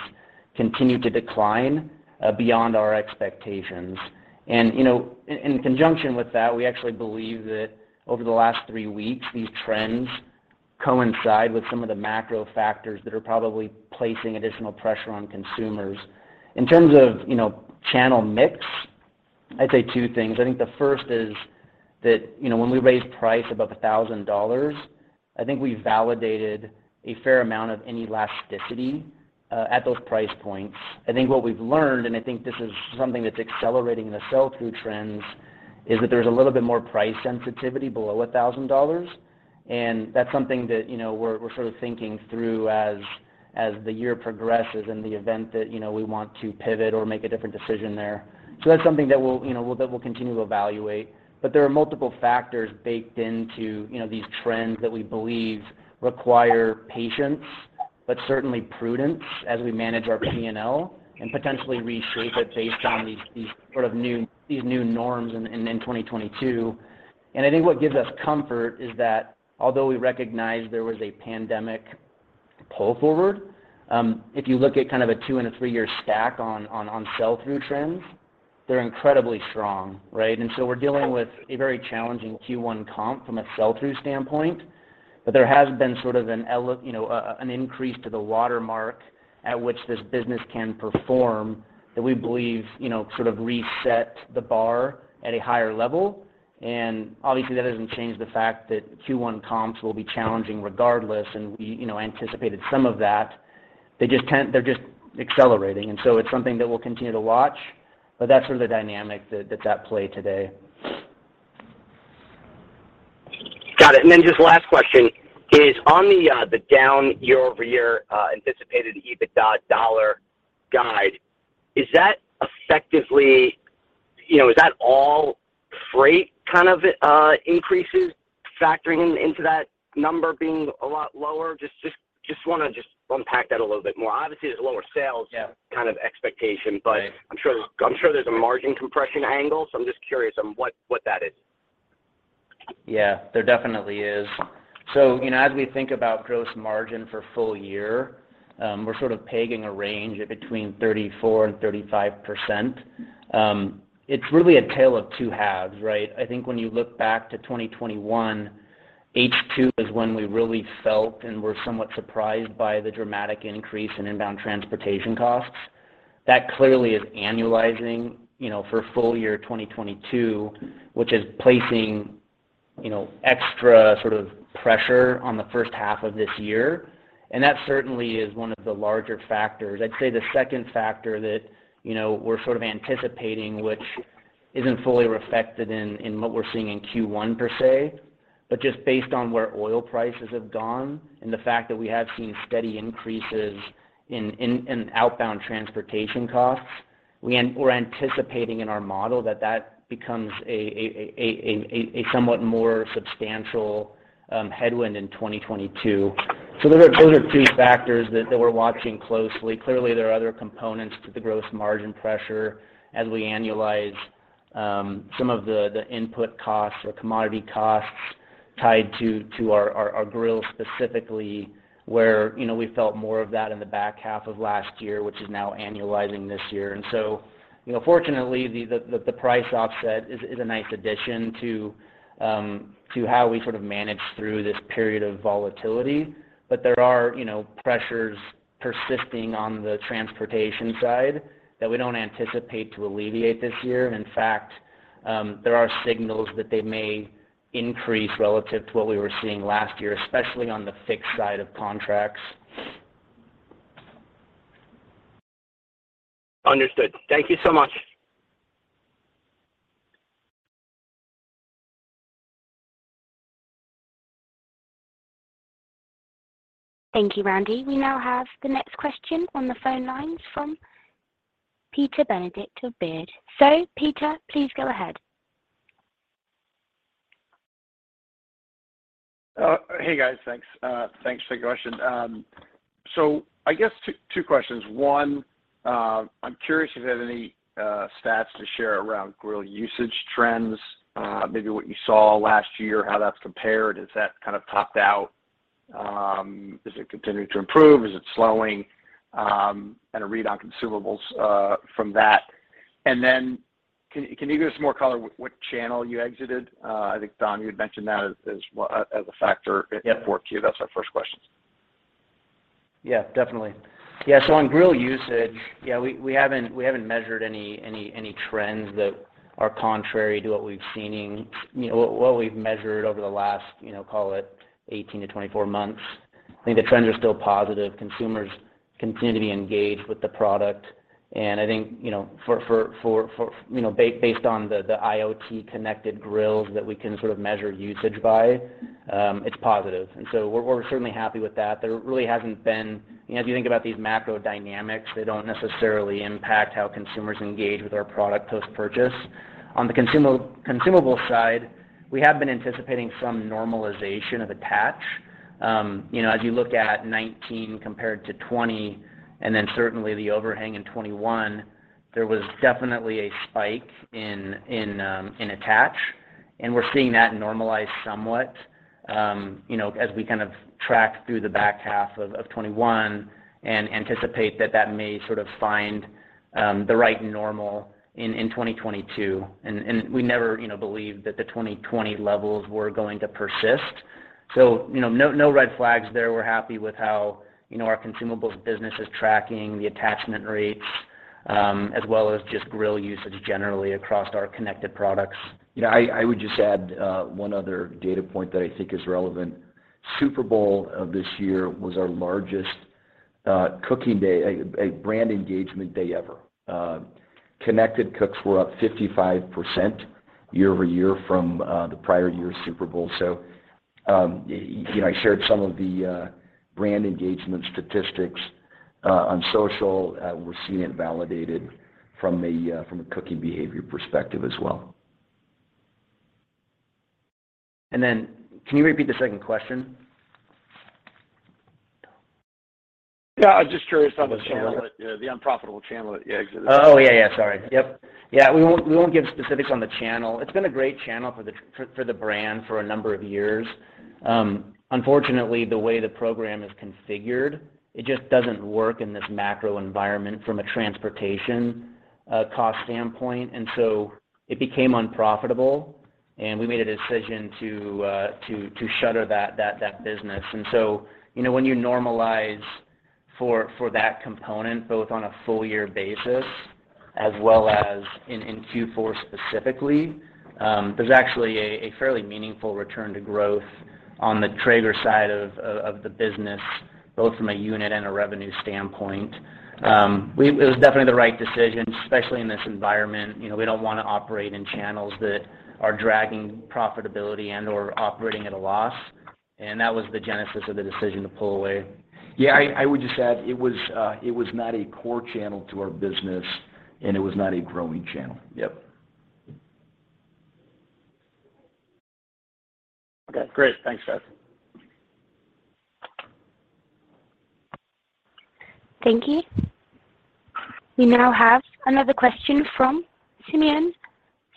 continue to decline beyond our expectations. You know, in conjunction with that, we actually believe that over the last three weeks, these trends coincide with some of the macro factors that are probably placing additional pressure on consumers. In terms of, you know, channel mix, I'd say two things. I think the first is that, you know, when we raised price above $1,000, I think we validated a fair amount of any elasticity at those price points. I think what we've learned, and I think this is something that's accelerating the sell-through trends, is that there's a little bit more price sensitivity below $1,000, and that's something that, you know, we're sort of thinking through as the year progresses in the event that, you know, we want to pivot or make a different decision there. That's something that we'll, you know, that we'll continue to evaluate. There are multiple factors baked into, you know, these trends that we believe require patience, but certainly prudence as we manage our P&L and potentially reshape it based on these sort of new norms in 2022. I think what gives us comfort is that although we recognize there was a pandemic pull forward, if you look at kind of a two- and three-year stack on sell-through trends, they're incredibly strong, right? We're dealing with a very challenging Q1 comp from a sell-through standpoint. There has been sort of an increase to the watermark at which this business can perform that we believe, you know, sort of reset the bar at a higher level. Obviously, that doesn't change the fact that Q1 comps will be challenging regardless, and we, you know, anticipated some of that. They're just accelerating, and so it's something that we'll continue to watch, but that's sort of the dynamic that's at play today. Got it. Then just last question is on the down year-over-year anticipated EBITDA dollar guide, is that effectively? You know, is that all freight kind of increases factoring into that number being a lot lower? Just wanna unpack that a little bit more. Obviously, there's lower sales- Yeah. kind of expectation. Right. I'm sure there's a margin compression angle, so I'm just curious on what that is. Yeah, there definitely is. You know, as we think about gross margin for full year, we're sort of pegging a range at between 34% and 35%. It's really a tale of two halves, right? I think when you look back to 2021, H2 is when we really felt and were somewhat surprised by the dramatic increase in inbound transportation costs. That clearly is annualizing, you know, for full year 2022, which is placing, you know, extra sort of pressure on the H1 of this year, and that certainly is one of the larger factors. I'd say the second factor that, you know, we're sort of anticipating, which isn't fully reflected in what we're seeing in Q1 per se, but just based on where oil prices have gone and the fact that we have seen steady increases in outbound transportation costs. We're anticipating in our model that that becomes a somewhat more substantial headwind in 2022. Those are two factors that we're watching closely. Clearly, there are other components to the gross margin pressure as we annualize some of the input costs or commodity costs tied to our grills specifically, where, you know, we felt more of that in the back half of last year, which is now annualizing this year. You know, fortunately, the price offset is a nice addition to how we sort of manage through this period of volatility. There are, you know, pressures persisting on the transportation side that we don't anticipate to alleviate this year. In fact, there are signals that they may increase relative to what we were seeing last year, especially on the fixed side of contracts. Understood. Thank you so much. Thank you, Randy. We now have the next question on the phone lines from Peter Benedict of Baird. Peter, please go ahead. Hey, guys. Thanks. Thanks for the question. I guess two questions. One, I'm curious if you have any stats to share around grill usage trends, maybe what you saw last year, how that's compared. Has that kind of topped out? Is it continuing to improve? Is it slowing? A read on consumables from that. Can you give us more color what channel you exited? I think, Dom, you had mentioned that as well as a factor- Yeah. That's our first question. Yeah, definitely. Yeah, so on grill usage, yeah, we haven't measured any trends that are contrary to what we've seen in you know, what we've measured over the last, you know, call it 18-24 months. I think the trends are still positive. Consumers continue to be engaged with the product, and I think, you know, for, you know, based on the IoT-connected grills that we can sort of measure usage by, it's positive. We're certainly happy with that. There really hasn't been you know, as you think about these macro dynamics, they don't necessarily impact how consumers engage with our product post-purchase. On the consumable side, we have been anticipating some normalization of attach. You know, as you look at 2019 compared to 2020, and then certainly the overhang in 2021, there was definitely a spike in attach, and we're seeing that normalize somewhat, you know, as we kind of track through the back half of 2021 and anticipate that may sort of find the right normal in 2022. We never, you know, believed that the 2020 levels were going to persist. You know, no red flags there. We're happy with how, you know, our consumables business is tracking the attachment rates, as well as just grill usage generally across our connected products. You know, I would just add one other data point that I think is relevant. Super Bowl of this year was our largest cooking day, a brand engagement day ever. Connected cooks were up 55% year-over-year from the prior year's Super Bowl. You know, I shared some of the brand engagement statistics on social. We're seeing it validated from a cooking behavior perspective as well. Can you repeat the second question? Yeah. I was just curious on the unprofitable channel that you exited. Oh, yeah. Sorry. Yep. Yeah. We won't give specifics on the channel. It's been a great channel for the brand for a number of years. Unfortunately, the way the program is configured, it just doesn't work in this macro environment from a transportation cost standpoint. It became unprofitable, and we made a decision to shutter that business. You know, when you normalize for that component, both on a full year basis as well as in Q4 specifically, there's actually a fairly meaningful return to growth on the Traeger side of the business, both from a unit and a revenue standpoint. It was definitely the right decision, especially in this environment. You know, we don't want to operate in channels that are dragging profitability and/or operating at a loss, and that was the genesis of the decision to pull away. Yeah. I would just add it was not a core channel to our business, and it was not a growing channel. Yep. Okay. Great. Thanks, guys. Thank you. We now have another question from Simeon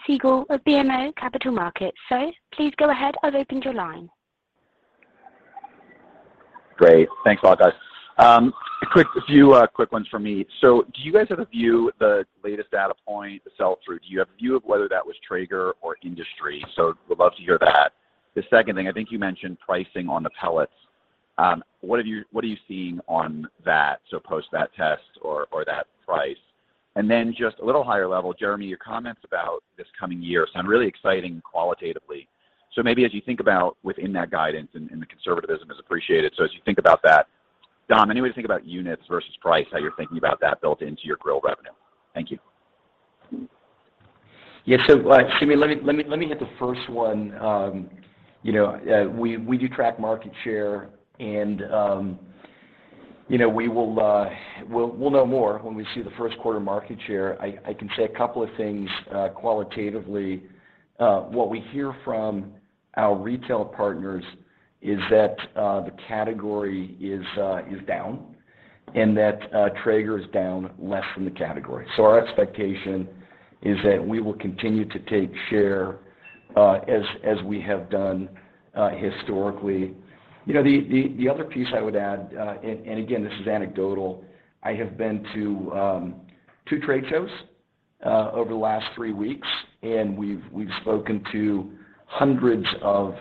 Siegel of BMO Capital Markets. Please go ahead. I've opened your line. Great. Thanks a lot, guys. A few quick ones from me. Do you guys have a view of the latest data point, the sell-through? Do you have a view of whether that was Traeger or industry? Would love to hear that. The second thing, I think you mentioned pricing on the pellets. What are you seeing on that, so post that test or that price? Just a little higher level, Jeremy, your comments about this coming year sound really exciting qualitatively. Maybe as you think about within that guidance and the conservatism is appreciated. As you think about that, Dom, any way to think about units versus price, how you're thinking about that built into your grill revenue? Thank you. Yeah. Jimmy, let me hit the first one. You know, we do track market share and, you know, we will know more when we see the Q1 market share. I can say a couple of things qualitatively. What we hear from our retail partners is that the category is down and that Traeger is down less than the category. Our expectation is that we will continue to take share as we have done historically. You know, the other piece I would add, and again, this is anecdotal. I have been to two trade shows over the last three weeks, and we've spoken to hundreds of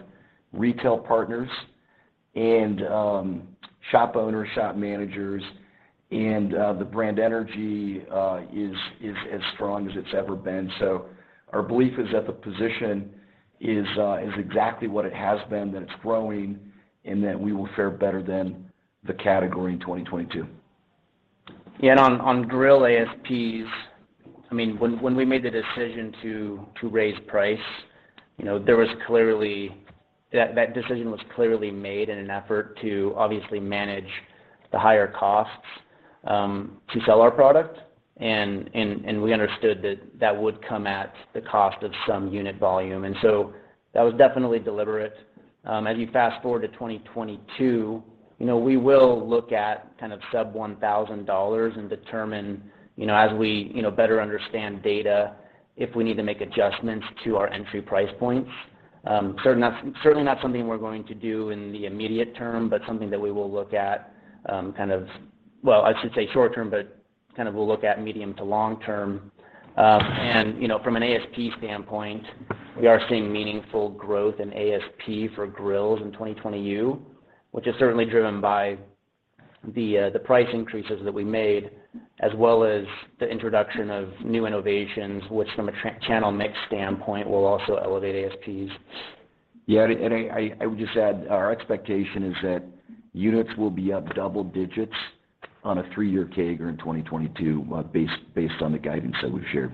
retail partners and shop owners, shop managers, and the brand energy is as strong as it's ever been. Our belief is that the position is exactly what it has been, that it's growing, and that we will fare better than the category in 2022. Yeah. On grill ASPs, I mean, when we made the decision to raise price, you know, that decision was clearly made in an effort to obviously manage the higher costs, to sell our product and we understood that that would come at the cost of some unit volume. That was definitely deliberate. As you fast-forward to 2022, you know, we will look at kind of sub $1,000 and determine, you know, as we better understand data if we need to make adjustments to our entry price points. Certainly not something we're going to do in the immediate term, but something that we will look at kind of. Well, I should say short term, but kind of we'll look at medium to long term. You know, from an ASP standpoint, we are seeing meaningful growth in ASP for grills in 2020, which is certainly driven by the price increases that we made, as well as the introduction of new innovations, which from a channel mix standpoint will also elevate ASPs. Yeah, I would just add, our expectation is that units will be up double digits on a three-year CAGR in 2022, based on the guidance that we've shared.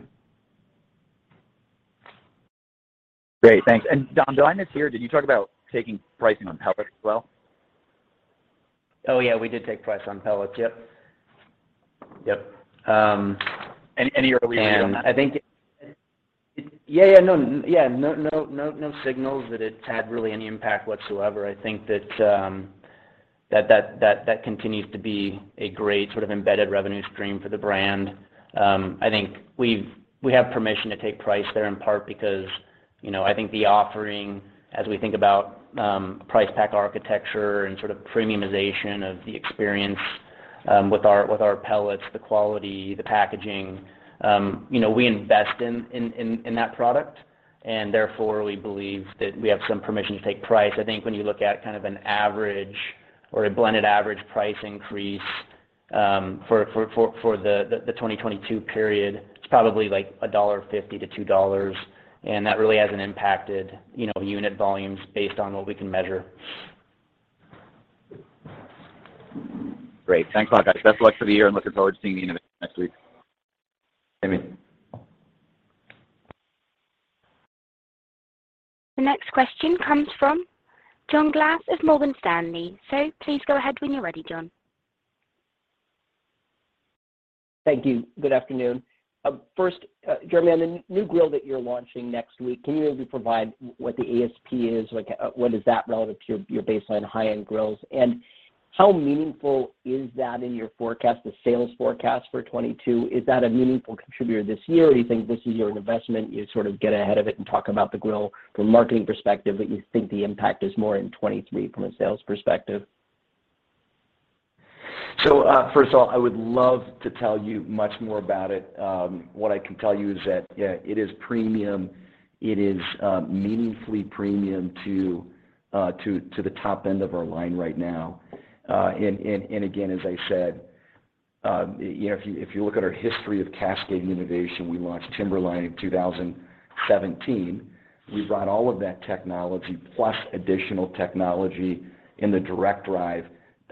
Great. Thanks. Dom, did I mishear? Did you talk about taking pricing on pellets as well? Oh, yeah, we did take price on pellets. Yep. Yep. Any early reads on that? I think yeah. No signals that it's had really any impact whatsoever. I think that that continues to be a great sort of embedded revenue stream for the brand. I think we have permission to take price there in part because, you know, I think the offering as we think about price pack architecture and sort of premiumization of the experience with our pellets, the quality, the packaging, you know, we invest in that product and therefore we believe that we have some permission to take price. I think when you look at kind of an average or a blended average price increase for the 2022 period, it's probably like $1.50-$2, and that really hasn't impacted, you know, unit volumes based on what we can measure. Great. Thanks a lot, guys. Best of luck for the year, and looking forward to seeing the innovation next week. Jimmy. The next question comes from John Glass of Morgan Stanley. So please go ahead when you're ready, John. Thank you. Good afternoon. First, Jeremy, on the new grill that you're launching next week, can you maybe provide what the ASP is? Like, what is that relative to your baseline high-end grills? How meaningful is that in your forecast, the sales forecast for 2022? Is that a meaningful contributor this year, or do you think this is your investment, you sort of get ahead of it and talk about the grill from a marketing perspective, but you think the impact is more in 2023 from a sales perspective? First of all, I would love to tell you much more about it. What I can tell you is that, yeah, it is premium. It is meaningfully premium to the top end of our line right now. And again, as I said, you know, if you look at our history of cascading innovation, we launched Timberline in 2017. We brought all of that technology plus additional technology in the direct drive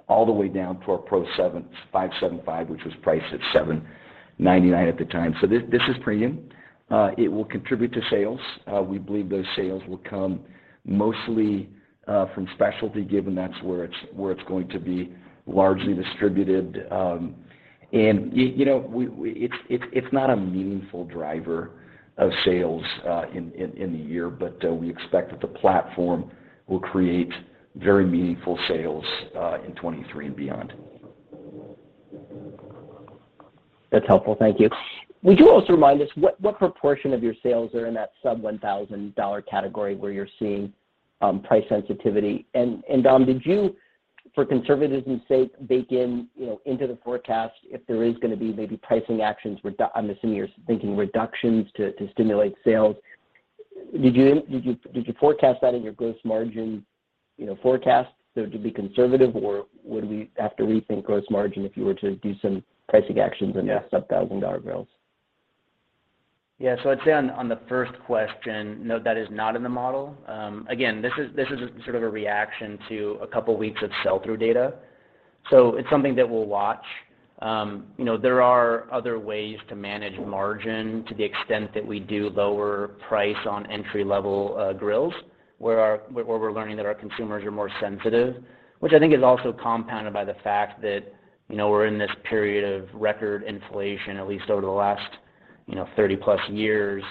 all the way down to our Pro 575, which was priced at $799 at the time. This is premium. It will contribute to sales. We believe those sales will come mostly from specialty given that's where it's going to be largely distributed. You know, it's not a meaningful driver of sales in the year, but we expect that the platform will create very meaningful sales in 2023 and beyond. That's helpful. Thank you. Would you also remind us what proportion of your sales are in that sub-$1,000 category where you're seeing price sensitivity? Dom, did you, for conservatism sake, bake in, you know, into the forecast if there is gonna be maybe pricing actions? I'm assuming you're thinking reductions to stimulate sales. Did you forecast that in your gross margin, you know, forecast? To be conservative or would we have to rethink gross margin if you were to do some pricing actions and sub-$1,000 grills? Yeah. I'd say on the first question, no, that is not in the model. Again, this is sort of a reaction to a couple of weeks of sell-through data. It's something that we'll watch. You know, there are other ways to manage margin to the extent that we do lower price on entry-level grills, where we're learning that our consumers are more sensitive, which I think is also compounded by the fact that, you know, we're in this period of record inflation, at least over the last, you know, 30+ years,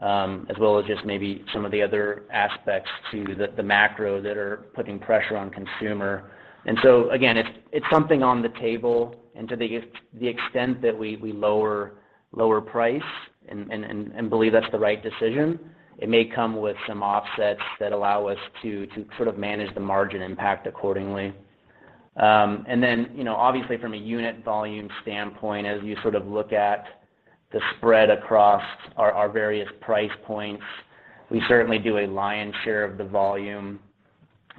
as well as just maybe some of the other aspects to the macro that are putting pressure on consumer. Again, it's something on the table. To the extent that we lower price and believe that's the right decision, it may come with some offsets that allow us to sort of manage the margin impact accordingly. You know, obviously from a unit volume standpoint, as you sort of look at the spread across our various price points, we certainly do a lion's share of the volume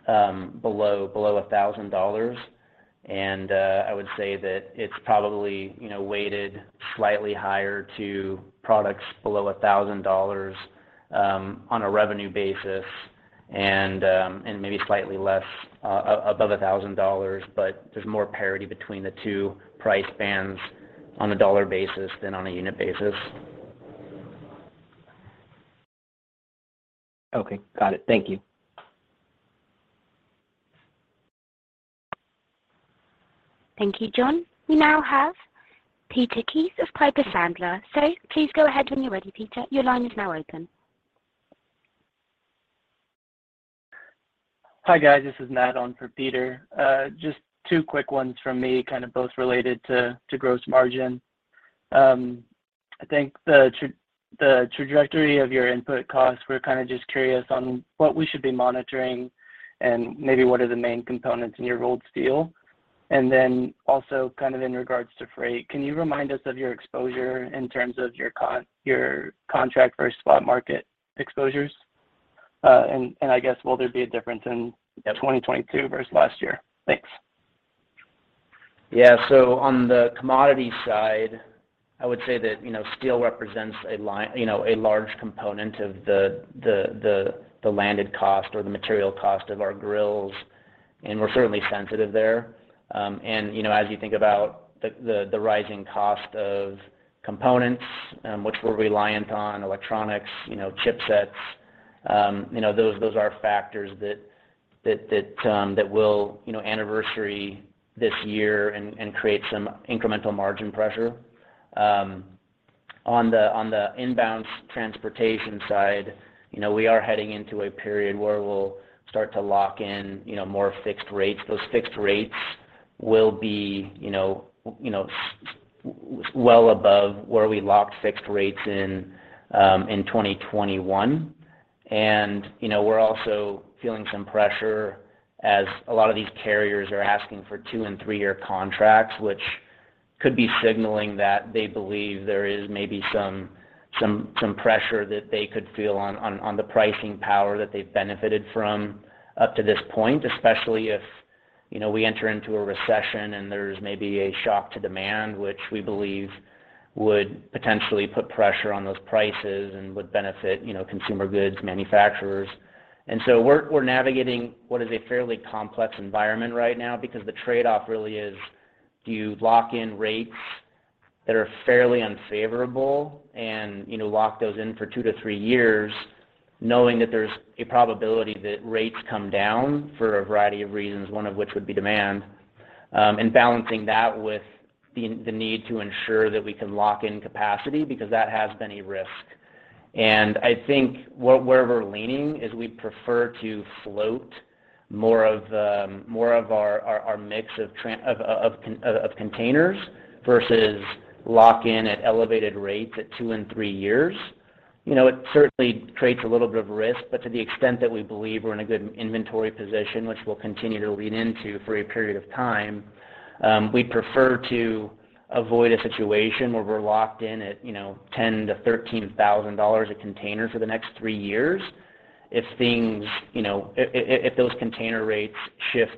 below $1,000. I would say that it's probably, you know, weighted slightly higher to products below $1,000 on a revenue basis and maybe slightly less above $1,000. There's more parity between the two price bands on a dollar basis than on a unit basis. Okay. Got it. Thank you. Thank you, John. We now have Peter Keith of Piper Sandler. Please go ahead when you're ready, Peter. Your line is now open. Hi, guys. This is Matt on for Peter. Just two quick ones from me, kind of both related to gross margin. I think the trajectory of your input costs, we're kind of just curious on what we should be monitoring and maybe what are the main components in your rolled steel. Also kind of in regards to freight, can you remind us of your exposure in terms of your contract versus spot market exposures? I guess will there be a difference in 2022 versus last year? Thanks. Yeah. On the commodity side, I would say that, you know, steel represents a line, you know, a large component of the landed cost or the material cost of our grills, and we're certainly sensitive there. On the inbound transportation side, you know, we are heading into a period where we'll start to lock in, you know, more fixed rates. Those fixed rates will be, you know, well above where we locked fixed rates in 2021. You know, we're also feeling some pressure as a lot of these carriers are asking for two- and three-year contracts, which could be signaling that they believe there is maybe some pressure that they could feel on the pricing power that they've benefited from up to this point, especially if, you know, we enter into a recession and there's maybe a shock to demand, which we believe would potentially put pressure on those prices and would benefit, you know, consumer goods manufacturers. We're navigating what is a fairly complex environment right now because the trade-off really is, do you lock in rates that are fairly unfavorable and, you know, lock those in for two-three years knowing that there's a probability that rates come down for a variety of reasons, one of which would be demand, and balancing that with the need to ensure that we can lock in capacity because that has been a risk. I think where we're leaning is we prefer to float more of our mix of containers versus lock in at elevated rates at two and years. You know, it certainly creates a little bit of risk. To the extent that we believe we're in a good inventory position, which we'll continue to lean into for a period of time, we prefer to avoid a situation where we're locked in at, you know, $10,000-$13,000 a container for the next three years if things, you know, if those container rates shift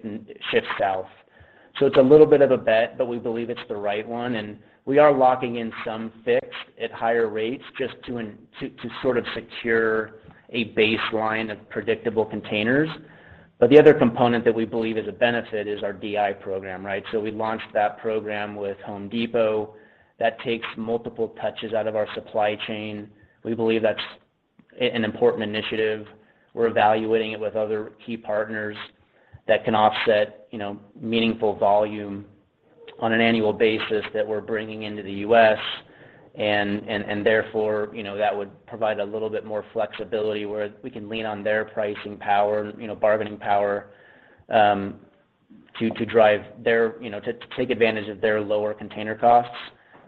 south. It's a little bit of a bet, but we believe it's the right one, and we are locking in some fixed at higher rates just to secure a baseline of predictable containers. The other component that we believe is a benefit is our DI program, right? We launched that program with Home Depot. That takes multiple touches out of our supply chain. We believe that's an important initiative. We're evaluating it with other key partners that can offset, you know, meaningful volume on an annual basis that we're bringing into the U.S. and therefore, you know, that would provide a little bit more flexibility where we can lean on their pricing power, you know, bargaining power, to drive their, you know, to take advantage of their lower container costs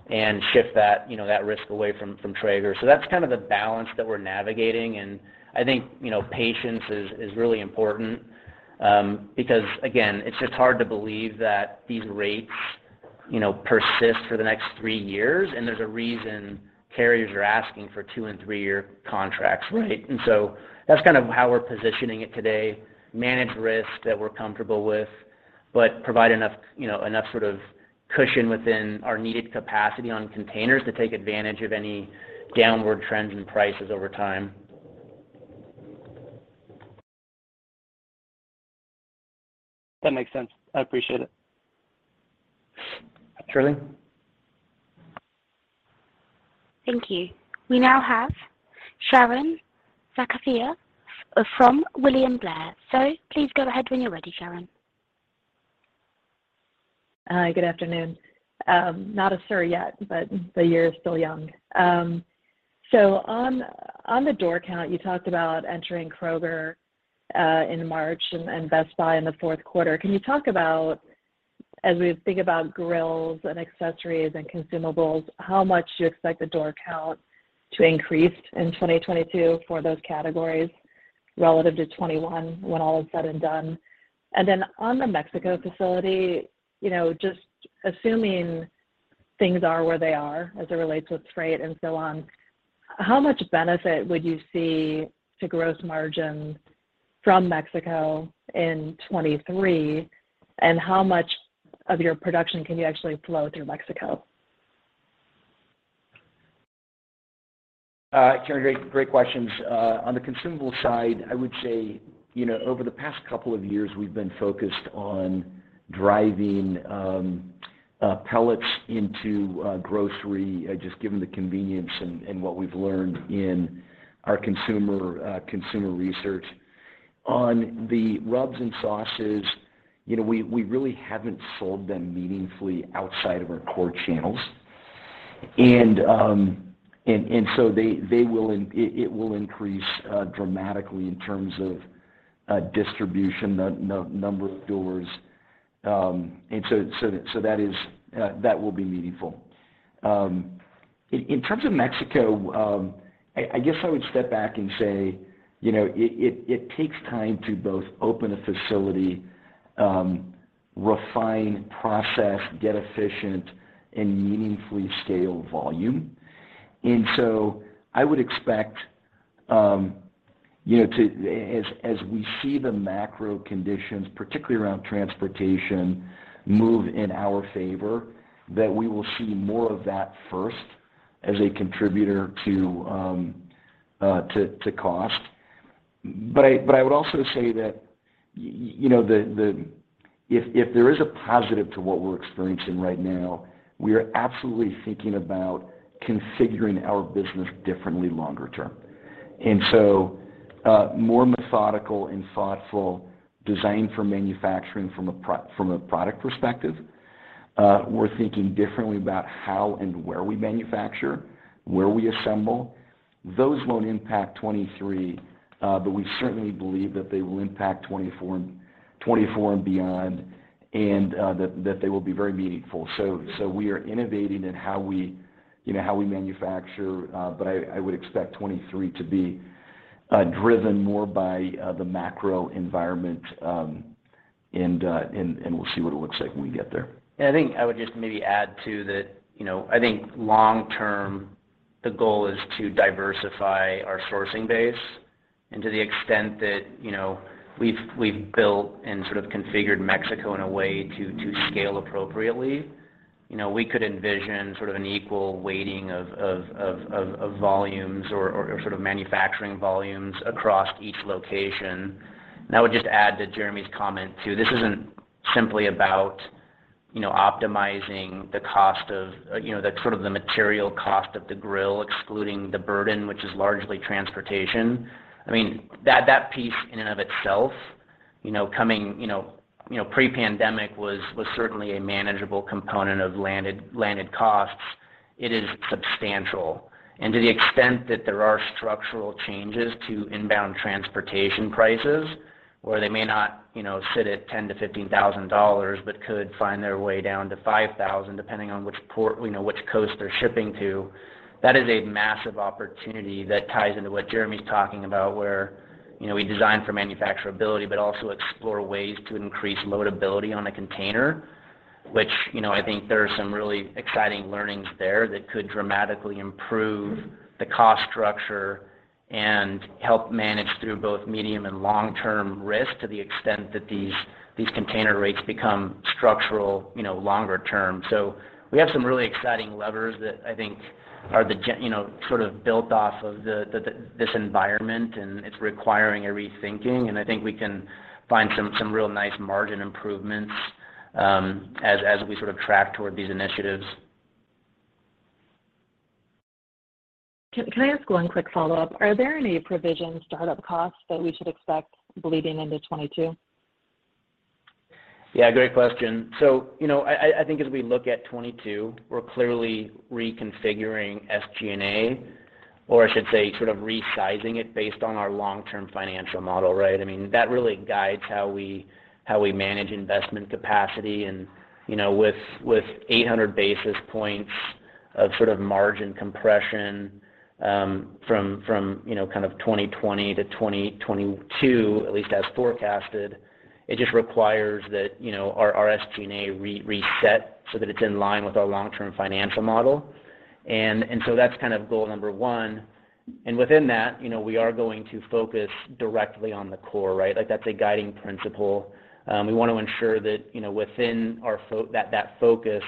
and shift that, you know, that risk away from Traeger. So that's kind of the balance that we're navigating. I think, you know, patience is really important, because again, it's just hard to believe that these rates. You know, persist for the next three years, and there's a reason carriers are asking for two and three-year contracts, right? That's kind of how we're positioning it today, manage risk that we're comfortable with, but provide enough, you know, enough sort of cushion within our needed capacity on containers to take advantage of any downward trends and prices over time. That makes sense. I appreciate it. Trilling. Thank you. We now have Sharon Zackfia from William Blair. Please go ahead when you're ready, Sharon. Hi, good afternoon. Not a sir yet, but the year is still young. On the door count, you talked about entering Kroger in March and Best Buy in the Q4. Can you talk about, as we think about grills and accessories and consumables, how much you expect the door count to increase in 2022 for those categories relative to 2021 when all is said and done? On the Mexico facility, you know, just assuming things are where they are as it relates to freight and so on, how much benefit would you see to gross margin from Mexico in 2023, and how much of your production can you actually flow through Mexico? Sharon Zackfia, great questions. On the consumable side, I would say, you know, over the past couple of years, we've been focused on driving pellets into grocery, just given the convenience and what we've learned in our consumer research. On the rubs and sauces, you know, we really haven't sold them meaningfully outside of our core channels. They will increase dramatically in terms of distribution, the number of doors. That will be meaningful. In terms of Mexico, I guess I would step back and say, you know, it takes time to both open a facility, refine process, get efficient, and meaningfully scale volume. I would expect, you know, as we see the macro conditions, particularly around transportation, move in our favor, that we will see more of that first as a contributor to cost. I would also say that, you know, if there is a positive to what we're experiencing right now, we are absolutely thinking about configuring our business differently longer term. More methodical and thoughtful design for manufacturing from a product perspective, we're thinking differently about how and where we manufacture, where we assemble. Those won't impact 2023, but we certainly believe that they will impact 2024 and beyond, and that they will be very meaningful. We are innovating in how we, you know, how we manufacture, but I would expect 2023 to be driven more by the macro environment, and we'll see what it looks like when we get there. I think I would just maybe add too that, you know, I think long term, the goal is to diversify our sourcing base. To the extent that, you know, we've built and sort of configured Mexico in a way to scale appropriately. You know, we could envision sort of an equal weighting of volumes or sort of manufacturing volumes across each location. I would just add to Jeremy's comment too. This isn't simply about, you know, optimizing the cost of, you know, the sort of the material cost of the grill, excluding the burden, which is largely transportation. I mean, that piece in and of itself, you know, coming, you know, pre-pandemic was certainly a manageable component of landed costs. It is substantial. To the extent that there are structural changes to inbound transportation prices, where they may not, you know, sit at $10,000-$15,000, but could find their way down to $5,000, depending on which port, you know, which coast they're shipping to, that is a massive opportunity that ties into what Jeremy's talking about, where, you know, we design for manufacturability, but also explore ways to increase loadability on a container, which, you know, I think there are some really exciting learnings there that could dramatically improve the cost structure and help manage through both medium- and long-term risk to the extent that these container rates become structural, you know, longer term. We have some really exciting levers that I think are, you know, sort of built off of this environment, and it's requiring a rethinking. I think we can find some real nice margin improvements, as we sort of track toward these initiatives. Can I ask one quick follow-up? Are there any Provisions startup costs that we should expect bleeding into 2022? Yeah, great question. You know, I think as we look at 2022, we're clearly reconfiguring SG&A, or I should say sort of resizing it based on our long-term financial model, right? I mean, that really guides how we manage investment capacity. You know, with 800 basis points of sort of margin compression from you know, kind of 2020 to 2022, at least as forecasted. It just requires that, you know, our SG&A reset so that it's in line with our long-term financial model. That's kind of goal number one. Within that, you know, we are going to focus directly on the core, right? Like, that's a guiding principle. We want to ensure that, you know, within that focus,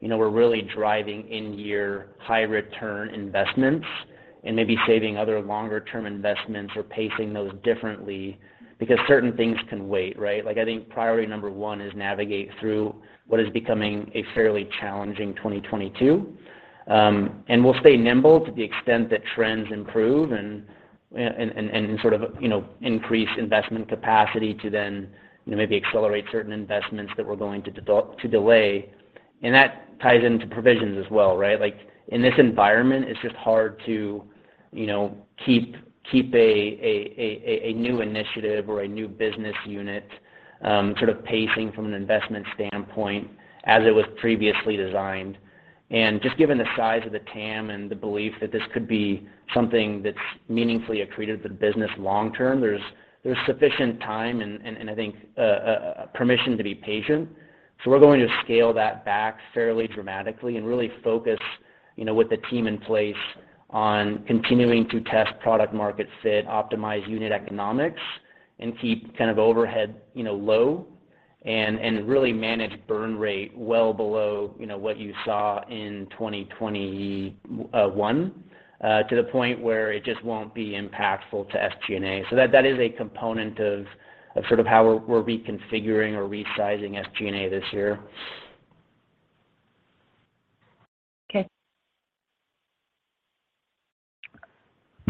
you know, we're really driving in-year high return investments, and maybe saving other longer term investments or pacing those differently because certain things can wait, right? Like, I think priority number one is to navigate through what is becoming a fairly challenging 2022. We'll stay nimble to the extent that trends improve and sort of, you know, increase investment capacity to then, you know, maybe accelerate certain investments that we're going to delay. That ties into provisions as well, right? Like, in this environment, it's just hard to, you know, keep a new initiative or a new business unit sort of pacing from an investment standpoint as it was previously designed. Just given the size of the TAM and the belief that this could be something that's meaningfully accretive to the business long term, there's sufficient time and I think permission to be patient. We're going to scale that back fairly dramatically and really focus, you know, with the team in place on continuing to test product market fit, optimize unit economics, and keep kind of overhead, you know, low and really manage burn rate well below, you know, what you saw in 2021 to the point where it just won't be impactful to SG&A. That is a component of sort of how we're reconfiguring or resizing SG&A this year.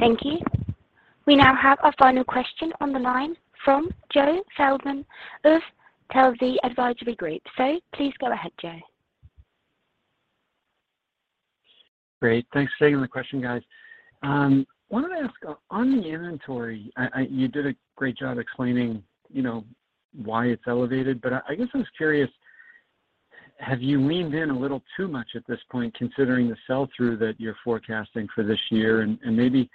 Okay. Thank you. We now have our final question on the line from Joe Feldman of Telsey Advisory Group. Please go ahead, Joe. Great. Thanks for taking the question, guys. Wanted to ask on the inventory. You did a great job explaining, you know, why it's elevated, but I guess I was curious, have you leaned in a little too much at this point, considering the sell-through that you're forecasting for this year? And maybe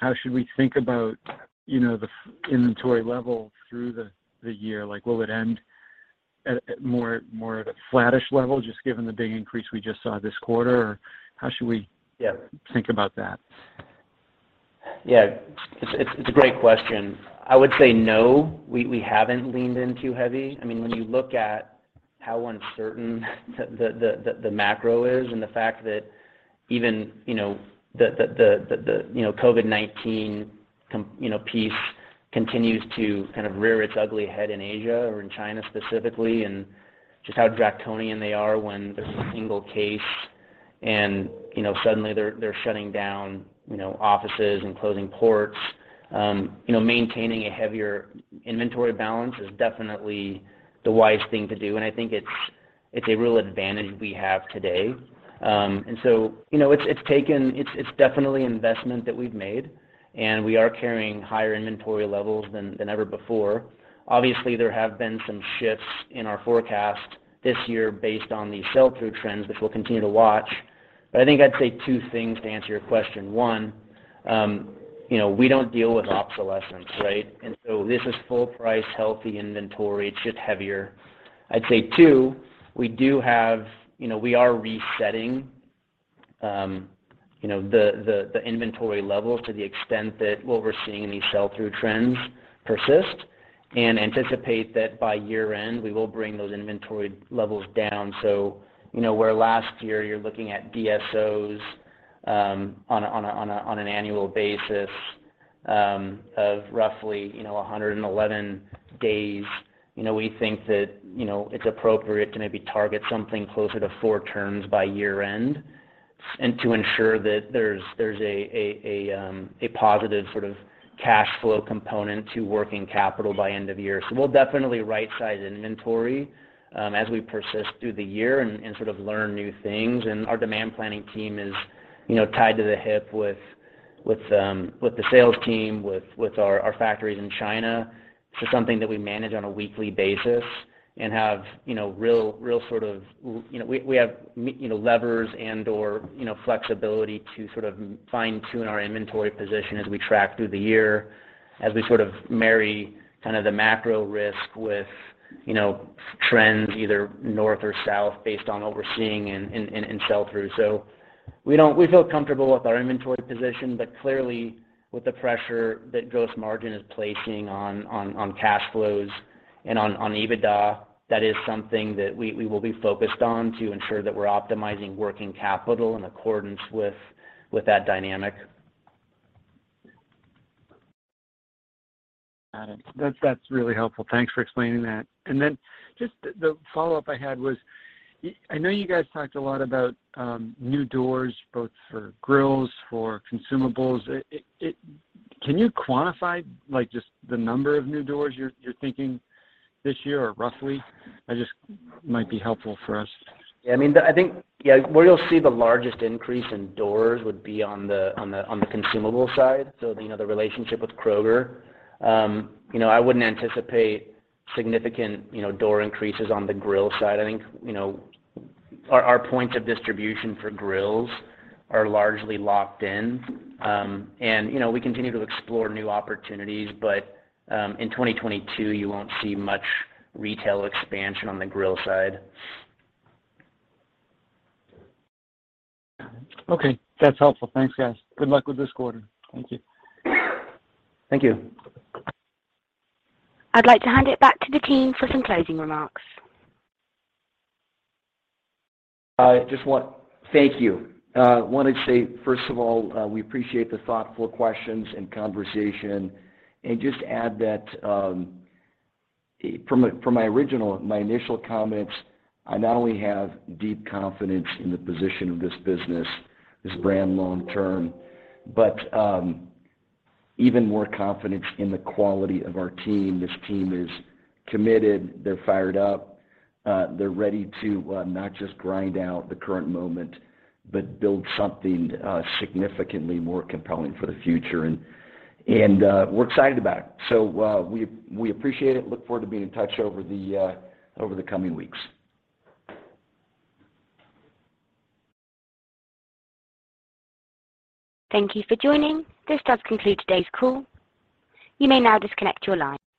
how should we think about, you know, the inventory level through the year? Like, will it end at a more flattish level, just given the big increase we just saw this quarter? Or how should we- Yeah Think about that? Yeah. It's a great question. I would say no, we haven't leaned in too heavy. I mean, when you look at how uncertain the macro is and the fact that even you know the COVID-19 piece continues to kind of rear its ugly head in Asia or in China specifically, and just how draconian they are when there's a single case and you know suddenly they're shutting down offices and closing ports. You know maintaining a heavier inventory balance is definitely the wise thing to do, and I think it's a real advantage we have today. You know it's definitely investment that we've made, and we are carrying higher inventory levels than ever before. Obviously, there have been some shifts in our forecast this year based on the sell-through trends, which we'll continue to watch. I think I'd say two things to answer your question. One, you know, we don't deal with obsolescence, right? This is full price, healthy inventory. It's just heavier. I'd say two, we do have. You know, we are resetting, you know, the inventory levels to the extent that what we're seeing in these sell-through trends persist, and anticipate that by year-end, we will bring those inventory levels down. You know, where last year you're looking at DSOs, on an annual basis, of roughly, you know, 111 days. You know, we think that, you know, it's appropriate to maybe target something closer to four terms by year-end and to ensure that there's a positive sort of cash flow component to working capital by end of year. We'll definitely right-size inventory as we persist through the year and sort of learn new things. Our demand planning team is, you know, tied to the hip with the sales team, with our factories in China. It's just something that we manage on a weekly basis and have, you know, real sort of, you know, we have you know, levers and/or, you know, flexibility to sort of fine-tune our inventory position as we track through the year, as we sort of marry kind of the macro risk with, you know, trends either north or south based on what we're seeing in sell-through. So we feel comfortable with our inventory position. But clearly, with the pressure that gross margin is placing on cash flows and on EBITDA, that is something that we will be focused on to ensure that we're optimizing working capital in accordance with that dynamic. Got it. That's really helpful. Thanks for explaining that. Just the follow-up I had was I know you guys talked a lot about new doors both for grills, for consumables. Can you quantify, like, just the number of new doors you're thinking this year or roughly? That just might be helpful for us. Yeah. I mean, I think, yeah, where you'll see the largest increase in doors would be on the consumable side. So, you know, the relationship with Kroger. You know, I wouldn't anticipate significant, you know, door increases on the grill side. I think, you know, our points of distribution for grills are largely locked in. You know, we continue to explore new opportunities, but in 2022, you won't see much retail expansion on the grill side. Okay. That's helpful. Thanks, guys. Good luck with this quarter. Thank you. Thank you. I'd like to hand it back to the team for some closing remarks. Wanted to say, first of all, we appreciate the thoughtful questions and conversation, and just add that, from my original, my initial comments, I not only have deep confidence in the position of this business, this brand long term, but even more confidence in the quality of our team. This team is committed. They're fired up. They're ready to not just grind out the current moment, but build something significantly more compelling for the future. We're excited about it. We appreciate it. Look forward to being in touch over the coming weeks. Thank you for joining. This does conclude today's call. You may now disconnect your line.